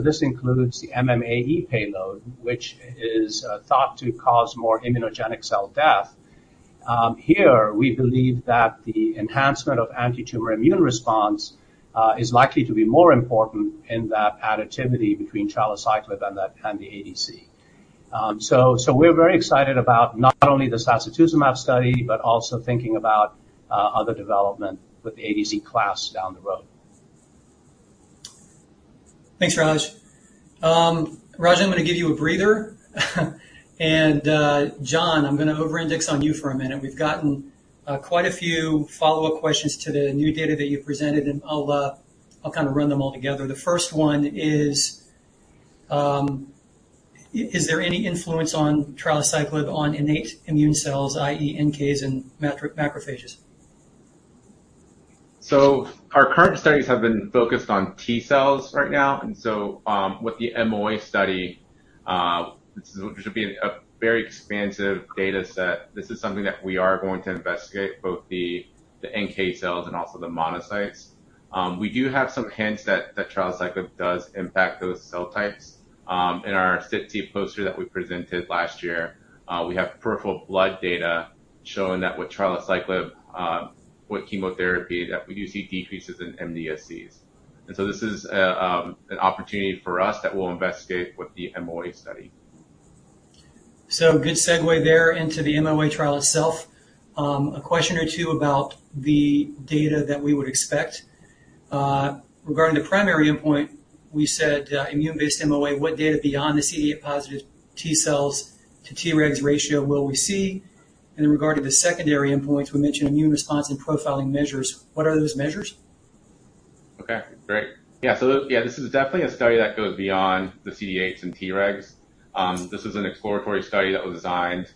this includes the MMAE payload, which is thought to cause more immunogenic cell death. Here we believe that the enhancement of antitumor immune response is likely to be more important in that additivity between trilaciclib and the ADC. We're very excited about not only the sacituzumab study but also thinking about other development with the ADC class down the road. Thanks, Raj, I'm gonna give you a breather. John, I'm gonna over-index on you for a minute. We've gotten quite a few follow-up questions to the new data that you presented, and I'll kind of run them all together. The first one is there any influence of trilaciclib on innate immune cells, i.e., NK and macrophages? Our current studies have been focused on T cells right now. With the MOA study, it should be a very expansive data set. This is something that we are going to investigate, both the NK cells and also the monocytes. We do have some hints that trilaciclib does impact those cell types. In our SITC poster that we presented last year, we have peripheral blood data showing that with trilaciclib, with chemotherapy, that we do see decreases in MDSCs. This is an opportunity for us that we'll investigate with the MOA study. Good segue there into the MOA trial itself. A question or two about the data that we would expect. Regarding the primary endpoint, we said, immune-based MOA, what data beyond the CD8 positive T cells to Tregs ratio will we see? In regard to the secondary endpoints, we mentioned immune response and profiling measures. What are those measures? Okay, great. Yeah. This is definitely a study that goes beyond the CD8s and Tregs. This is an exploratory study that was designed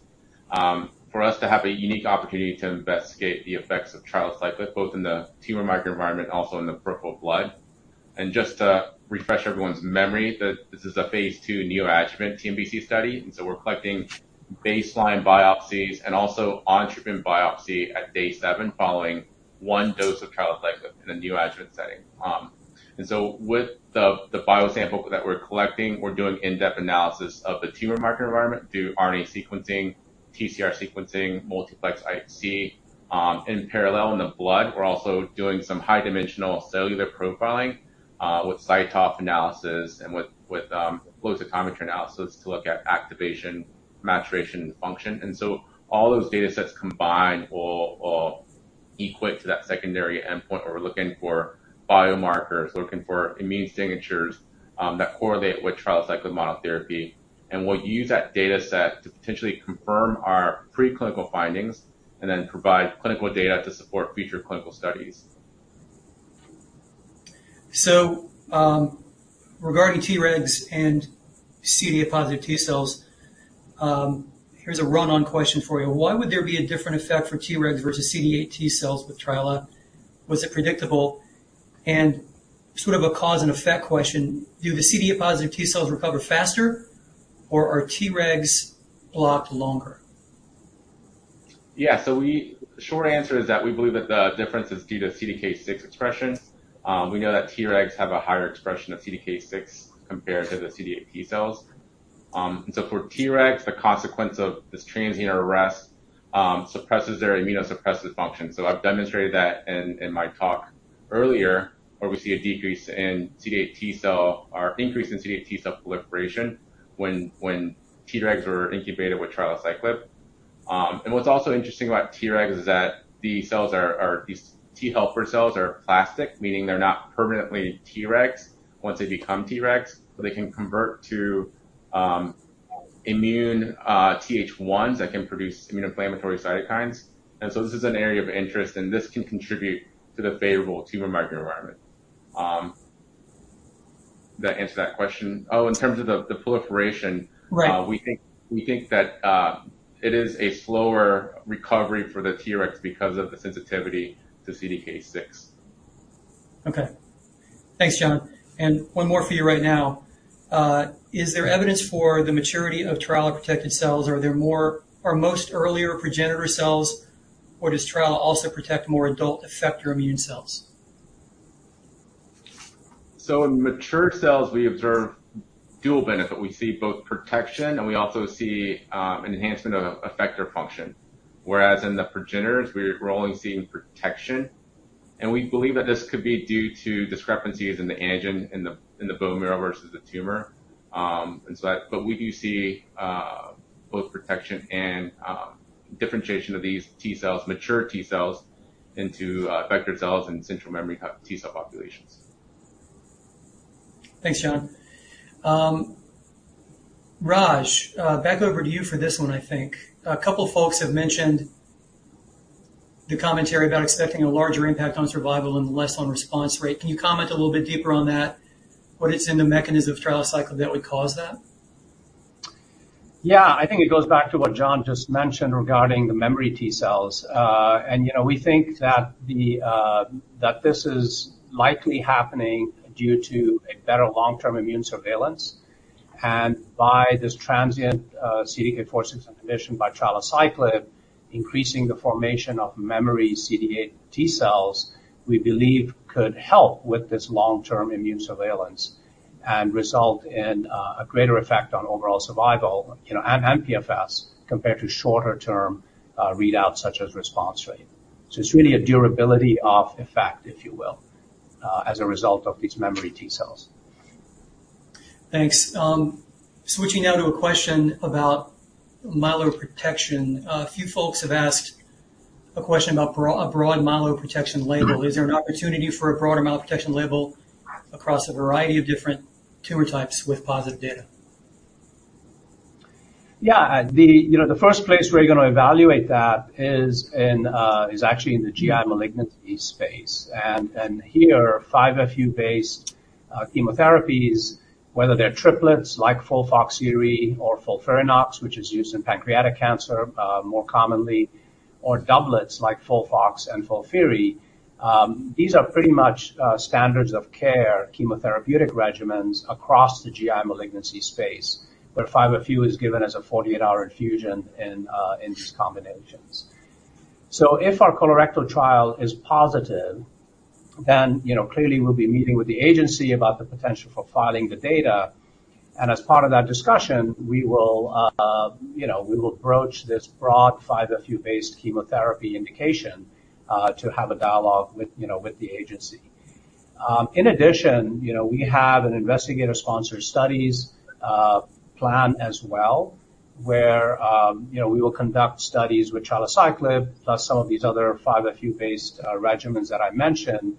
for us to have a unique opportunity to investigate the effects of trilaciclib, both in the tumor microenvironment and also in the peripheral blood. Just to refresh everyone's memory that this is a phase II neoadjuvant TNBC study, and we're collecting baseline biopsies and also on-treatment biopsy at day seven following one dose of trilaciclib in a neoadjuvant setting. With the biosample that we're collecting, we're doing in-depth analysis of the tumor microenvironment through RNA sequencing, TCR sequencing, multiplex IHC. In parallel in the blood, we're also doing some high-dimensional cellular profiling with CyTOF analysis and with flow cytometry analysis to look at activation, maturation, and function. All those datasets combined will equate to that secondary endpoint where we're looking for biomarkers, we're looking for immune signatures that correlate with trilaciclib monotherapy. We'll use that dataset to potentially confirm our preclinical findings and then provide clinical data to support future clinical studies. Regarding Tregs and CD8 positive T cells, here's a run-on question for you. Why would there be a different effect for Tregs versus CD8 T cells with trilaciclib? Was it predictable? Sort of a cause-and-effect question, do the CD8 positive T cells recover faster, or are Tregs blocked longer? Yeah. Short answer is that we believe that the difference is due to CDK6 expression. We know that Tregs have a higher expression of CDK6 compared to the CD8 T cells. For Tregs, the consequence of this transient arrest suppresses their immunosuppressive function. I've demonstrated that in my talk earlier, where we see a decrease in CD8 T cell or increase in CD8 T cell proliferation when Tregs are incubated with trilaciclib. What's also interesting about Tregs is that these T helper cells are plastic, meaning they're not permanently Tregs once they become Tregs, but they can convert to TH1s that can produce immunoinflammatory cytokines. This is an area of interest, and this can contribute to the favorable tumor microenvironment. Did that answer that question? Oh, in terms of the proliferation. Right. We think that it is a slower recovery for the Tregs because of the sensitivity to CDK6. Okay. Thanks, John. One more for you right now. Is there evidence for the maturity of trilaciclib-protected cells? Are there more or most earlier progenitor cells, or does trilaciclib also protect more adult effector immune cells? In mature cells, we observe dual benefit. We see both protection, and we also see enhancement of effector function. Whereas in the progenitors, we're only seeing protection. We believe that this could be due to discrepancies in the antigen in the bone marrow versus the tumor. We do see both protection and differentiation of these T cells, mature T cells into effector cells and central memory T cell populations. Thanks, John. Raj, back over to you for this one, I think. A couple folks have mentioned the commentary about expecting a larger impact on survival and less on response rate. Can you comment a little bit deeper on that? What it's in the mechanism of trilaciclib that would cause that? Yeah. I think it goes back to what John just mentioned regarding the memory T cells. You know, we think that this is likely happening due to a better long-term immune surveillance. By this transient CDK4/6 inhibition by trilaciclib, increasing the formation of memory CD8 T cells, we believe could help with this long-term immune surveillance and result in a greater effect on overall survival, you know, and PFS compared to shorter-term readouts such as response rate. It's really a durability of effect, if you will, as a result of these memory T cells. Thanks. Switching now to a question about myeloprotection. A few folks have asked a question about a broad myeloprotection label. Is there an opportunity for a broader myeloprotection label across a variety of different tumor types with positive data? Yeah. You know, the first place we're gonna evaluate that is actually in the GI malignancy space. Here, 5-FU based chemotherapies, whether they're triplets like FOLFOXIRI or FOLFIRINOX, which is used in pancreatic cancer more commonly, or doublets like FOLFOX and FOLFIRI, these are pretty much standards of care chemotherapeutic regimens across the GI malignancy space, where 5-FU is given as a 48-hour infusion in these combinations. If our colorectal trial is positive, you know, clearly we'll be meeting with the agency about the potential for filing the data. As part of that discussion, we will broach this broad 5-FU based chemotherapy indication to have a dialogue with the agency. In addition, you know, we have an investigator-sponsored studies plan as well, where, you know, we will conduct studies with trilaciclib, plus some of these other 5-FU based regimens that I mentioned,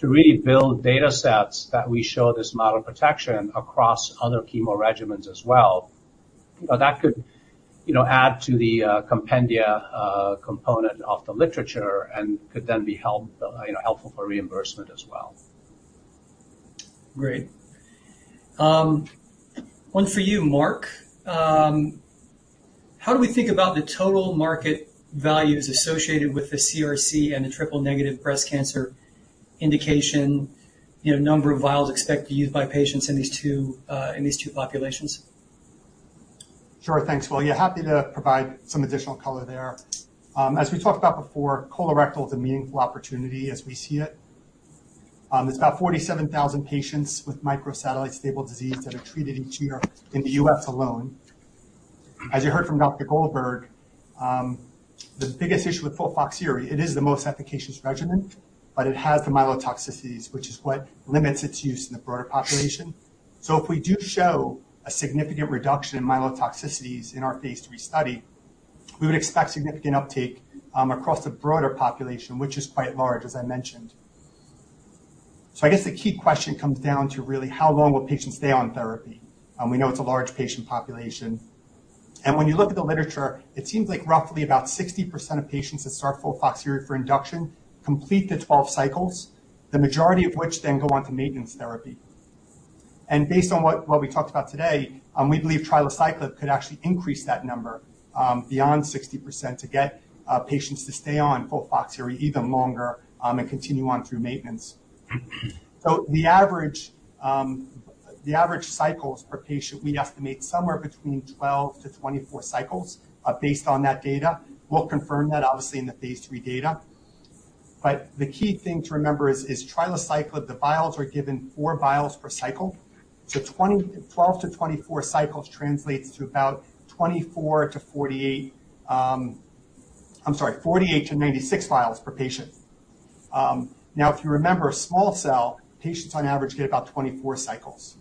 to really build datasets that we show this model of protection across other chemo regimens as well. You know, that could, you know, add to the compendia component of the literature and could then be helpful for reimbursement as well. Great. One for you, Mark. How do we think about the total market values associated with the CRC and the triple-negative breast cancer indication, you know, number of vials expected to use by patients in these two populations? Sure. Thanks, Will. Yeah, happy to provide some additional color there. As we talked about before, colorectal is a meaningful opportunity as we see it. It's about 47,000 patients with microsatellite stable disease that are treated each year in the U.S. alone. As you heard from Dr. Goldberg, the biggest issue with FOLFOXIRI, it is the most efficacious regimen, but it has the myelotoxicities, which is what limits its use in the broader population. If we do show a significant reduction in myelotoxicities in our phase III study, we would expect significant uptake across the broader population, which is quite large, as I mentioned. I guess the key question comes down to really how long will patients stay on therapy? We know it's a large patient population. When you look at the literature, it seems like roughly about 60% of patients that start FOLFOXIRI for induction complete the 12 cycles, the majority of which then go on to maintenance therapy. Based on what we talked about today, we believe trilaciclib could actually increase that number beyond 60% to get patients to stay on FOLFOXIRI even longer and continue on through maintenance. The average cycles per patient, we estimate somewhere between 12-24 cycles based on that data. We'll confirm that obviously in the phase III data. The key thing to remember is trilaciclib, the vials are given four vials per cycle. Twelve to 24 cycles translates to about 24-48, I'm sorry, 48-96 vials per patient. If you remember, small cell patients on average get about 24 cycles.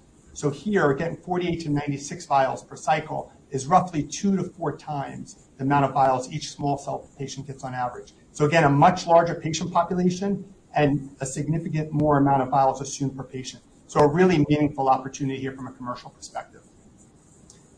Here, again, 48-96 vials per cycle is roughly two-four times the amount of vials each small cell patient gets on average. Again, a much larger patient population and a significant more amount of vials assumed per patient. A really meaningful opportunity here from a commercial perspective.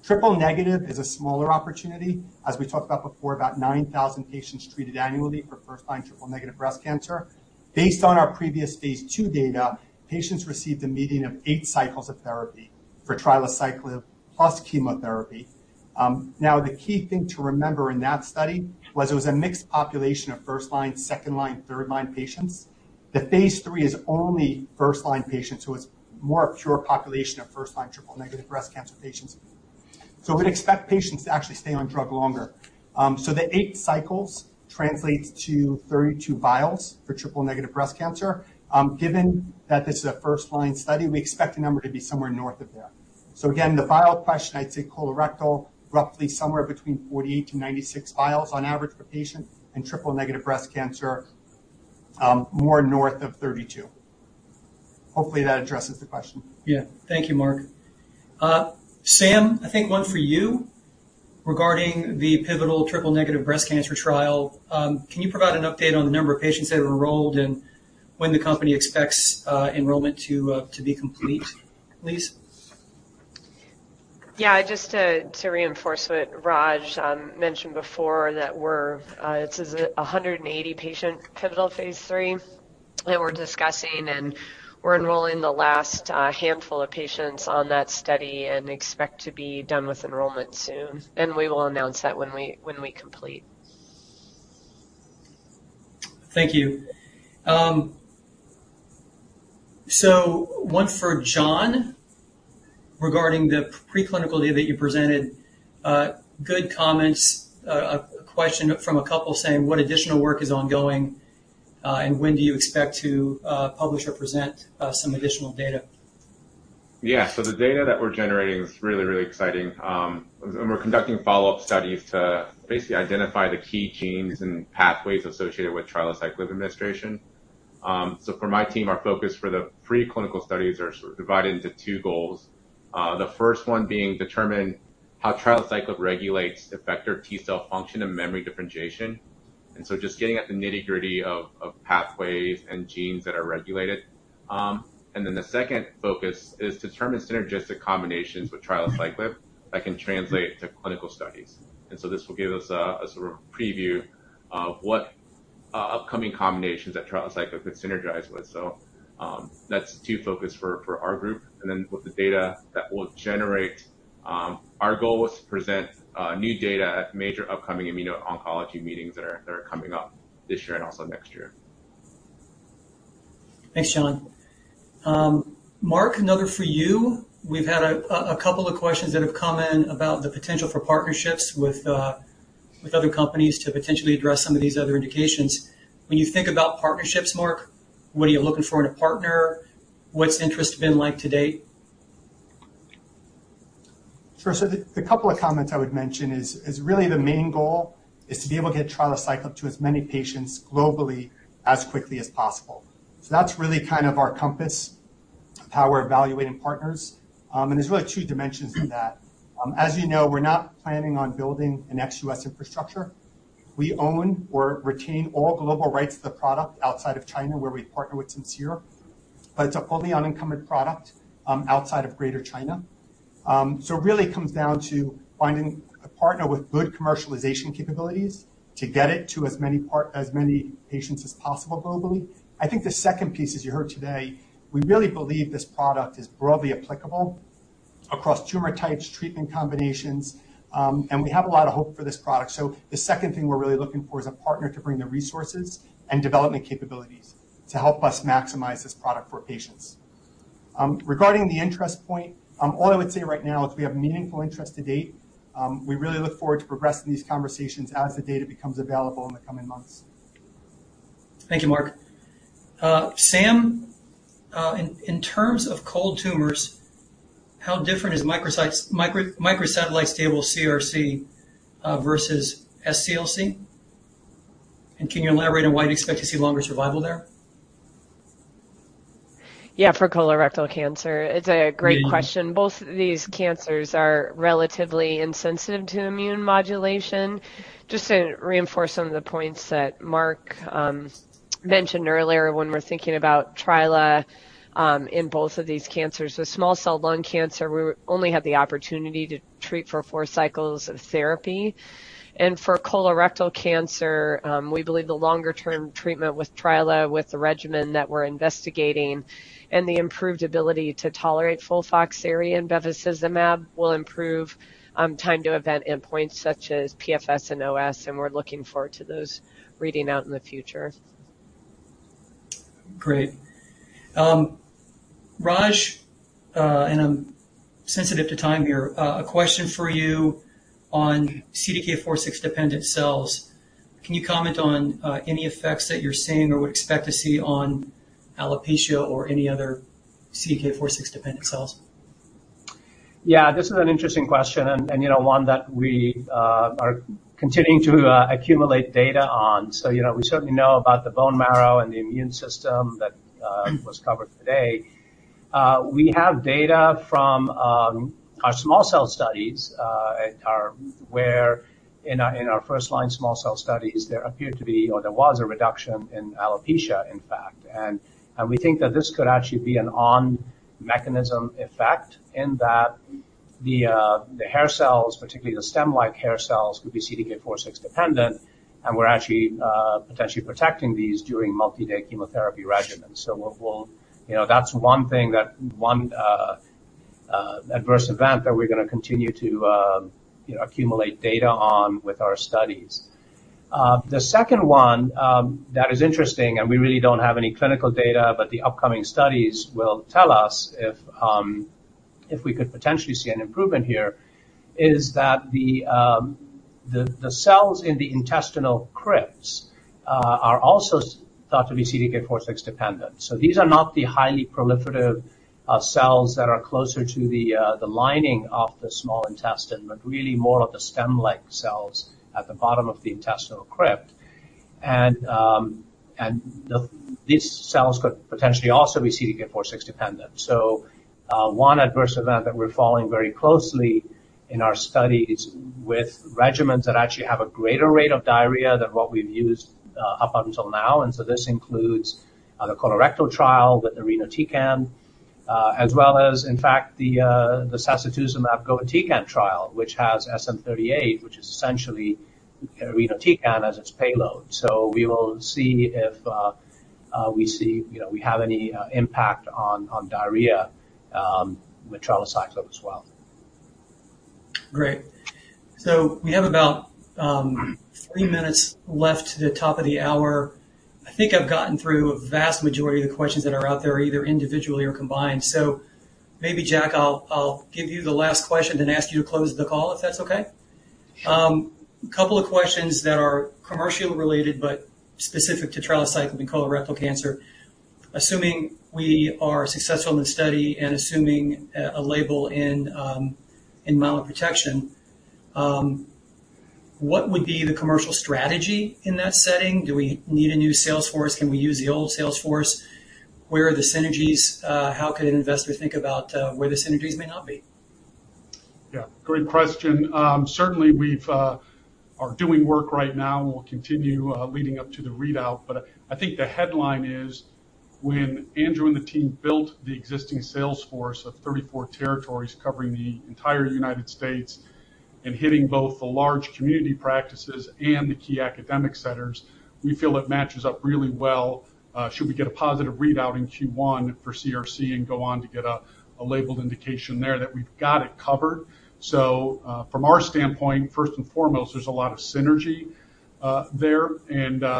Triple-negative is a smaller opportunity. As we talked about before, about 9,000 patients treated annually for first-line triple-negative breast cancer. Based on our previous phase II data, patients received a median of 8 cycles of therapy for trilaciclib plus chemotherapy. The key thing to remember in that study was it was a mixed population of first-line, second-line, third-line patients. The phase III is only first-line patients, so it's more a pure population of first-line triple-negative breast cancer patients. We'd expect patients to actually stay on drug longer. The 8 cycles translates to 32 vials for triple-negative breast cancer. Given that this is a first-line study, we expect the number to be somewhere north of that. Again, the vial question, I'd say colorectal, roughly somewhere between 48-96 vials on average per patient and triple-negative breast cancer, more north of 32. Hopefully, that addresses the question. Yeah. Thank you, Mark. Sam, I think one for you regarding the pivotal triple-negative breast cancer trial. Can you provide an update on the number of patients that have enrolled and when the company expects enrollment to be complete, please? Yeah. Just to reinforce what Raj mentioned before that it's 180-patient pivotal phase III, and we're discussing, and we're enrolling the last handful of patients on that study and expect to be done with enrollment soon. We will announce that when we complete. Thank you. One for John Yi regarding the preclinical data that you presented. Good comments. A question from a couple saying, "What additional work is ongoing, and when do you expect to publish or present some additional data? The data that we're generating is really, really exciting. We're conducting follow-up studies to basically identify the key genes and pathways associated with trilaciclib administration. For my team, our focus for the preclinical studies are sort of divided into two goals. The first one being determine how trilaciclib regulates effector T cell function and memory differentiation. Just getting at the nitty-gritty of pathways and genes that are regulated. The second focus is to determine synergistic combinations with trilaciclib that can translate to clinical studies. This will give us a sort of preview of what upcoming combinations that trilaciclib could synergize with. That's two focus for our group. With the data that we'll generate, our goal was to present new data at major upcoming immuno-oncology meetings that are coming up this year and also next year. Thanks, John. Mark, another for you. We've had a couple of questions that have come in about the potential for partnerships with other companies to potentially address some of these other indications. When you think about partnerships, Mark, what are you looking for in a partner? What's interest been like to date? Sure. The couple of comments I would mention is really the main goal is to be able to get trilaciclib to as many patients globally as quickly as possible. That's really kind of our compass, how we're evaluating partners. There's really two dimensions to that. As you know, we're not planning on building an ex-U.S. infrastructure. We own or retain all global rights to the product outside of China, where we partner with Simcere, but it's a fully unencumbered product outside of Greater China. It really comes down to finding a partner with good commercialization capabilities to get it to as many patients as possible globally. I think the second piece, as you heard today, we really believe this product is broadly applicable across tumor types, treatment combinations, and we have a lot of hope for this product. The second thing we're really looking for is a partner to bring the resources and development capabilities to help us maximize this product for patients. Regarding the interest point, all I would say right now is we have meaningful interest to date. We really look forward to progressing these conversations as the data becomes available in the coming months. Thank you, Mark. Sam, in terms of cold tumors, how different is microsatellite stable CRC versus SCLC? Can you elaborate on why you'd expect to see longer survival there? Yeah, for colorectal cancer. It's a great question. Mm-hmm. Both these cancers are relatively insensitive to immune modulation. Just to reinforce some of the points that Mark mentioned earlier when we're thinking about trilaciclib in both of these cancers. With small cell lung cancer, we only have the opportunity to treat for four cycles of therapy. For colorectal cancer, we believe the longer-term treatment with trilaciclib, with the regimen that we're investigating, and the improved ability to tolerate FOLFOXIRI and bevacizumab will improve time to event endpoints such as PFS and OS, and we're looking forward to those reading out in the future. Great. Raj, I'm sensitive to time here. A question for you on CDK4/6-dependent cells. Can you comment on any effects that you're seeing or would expect to see on alopecia or any other CDK4/6-dependent cells? Yeah, this is an interesting question and you know, one that we are continuing to accumulate data on. You know, we certainly know about the bone marrow and the immune system that was covered today. We have data from our small cell studies where in our first-line small cell studies, there appeared to be, or there was a reduction in alopecia, in fact. We think that this could actually be an on-mechanism effect in that the hair cells, particularly the stem-like hair cells, could be CDK4/6 dependent, and we're actually potentially protecting these during multi-day chemotherapy regimens. You know, that's one adverse event that we're gonna continue to accumulate data on with our studies. The second one that is interesting, and we really don't have any clinical data, but the upcoming studies will tell us if we could potentially see an improvement here, is that the cells in the intestinal crypts are also thought to be CDK4/6 dependent. These are not the highly proliferative cells that are closer to the lining of the small intestine, but really more of the stem-like cells at the bottom of the intestinal crypt. These cells could potentially also be CDK4/6 dependent. One adverse event that we're following very closely in our study is with regimens that actually have a greater rate of diarrhea than what we've used up until now. This includes the colorectal trial with irinotecan, as well as, in fact, the sacituzumab govitecan trial, which has SN-38, which is essentially irinotecan as its payload. We will see if we see, you know, we have any impact on diarrhea with trilaciclib as well. Great. We have about 3 minutes left to the top of the hour. I think I've gotten through a vast majority of the questions that are out there, either individually or combined. Maybe, Jack, I'll give you the last question, then ask you to close the call, if that's okay. A couple of questions that are commercial related but specific to trilaciclib and colorectal cancer. Assuming we are successful in the study and assuming a label in myeloprotection. What would be the commercial strategy in that setting? Do we need a new sales force? Can we use the old sales force? Where are the synergies, how can an investor think about where the synergies may not be? Yeah, great question. Certainly we are doing work right now, and we'll continue leading up to the readout. I think the headline is, when Andrew and the team built the existing sales force of 34 territories covering the entire United States and hitting both the large community practices and the key academic centers, we feel it matches up really well, should we get a positive readout in Q1 for CRC and go on to get a labeled indication there that we've got it covered. From our standpoint, first and foremost, there's a lot of synergy there.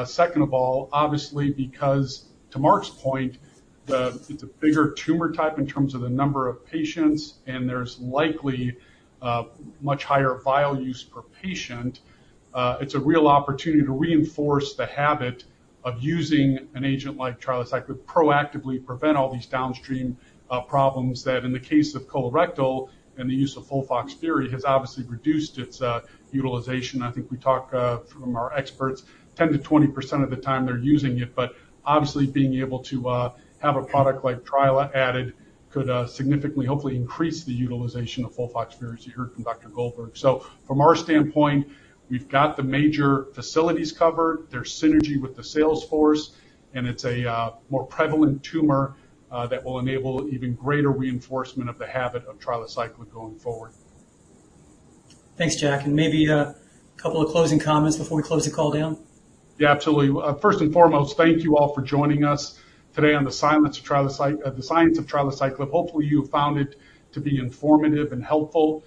Second of all, obviously, because to Mark's point, then it's a bigger tumor type in terms of the number of patients, and there's likely much higher vial use per patient. It's a real opportunity to reinforce the habit of using an agent like trilaciclib to proactively prevent all these downstream problems that in the case of colorectal and the use of FOLFIRINOX has obviously reduced its utilization. I think we heard from our experts 10%-20% of the time they're using it. Obviously, being able to have a product like trilaciclib added could significantly hopefully increase the utilization of FOLFIRINOX you heard from Dr. Goldberg. From our standpoint, we've got the major facilities covered. There's synergy with the sales force, and it's a more prevalent tumor that will enable even greater reinforcement of the habit of trilaciclib going forward. Thanks, Jack, and maybe a couple of closing comments before we close the call down. Yeah, absolutely. First and foremost, thank you all for joining us today on the science of trilaciclib. Hopefully, you found it to be informative and helpful.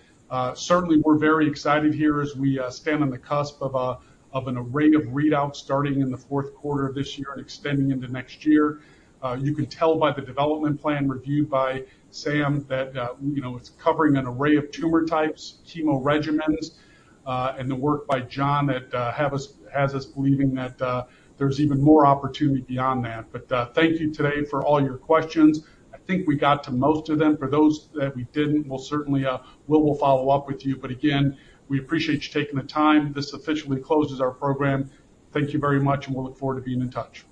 Certainly, we're very excited here as we stand on the cusp of an array of readouts starting in the Q4 of this year and extending into next year. You can tell by the development plan reviewed by Sam that, you know, it's covering an array of tumor types, chemo regimens, and the work by John that has us believing that there's even more opportunity beyond that. Thank you today for all your questions. I think we got to most of them. For those that we didn't, we'll certainly follow up with you. Again, we appreciate you taking the time. This officially closes our program. Thank you very much, and we look forward to being in touch.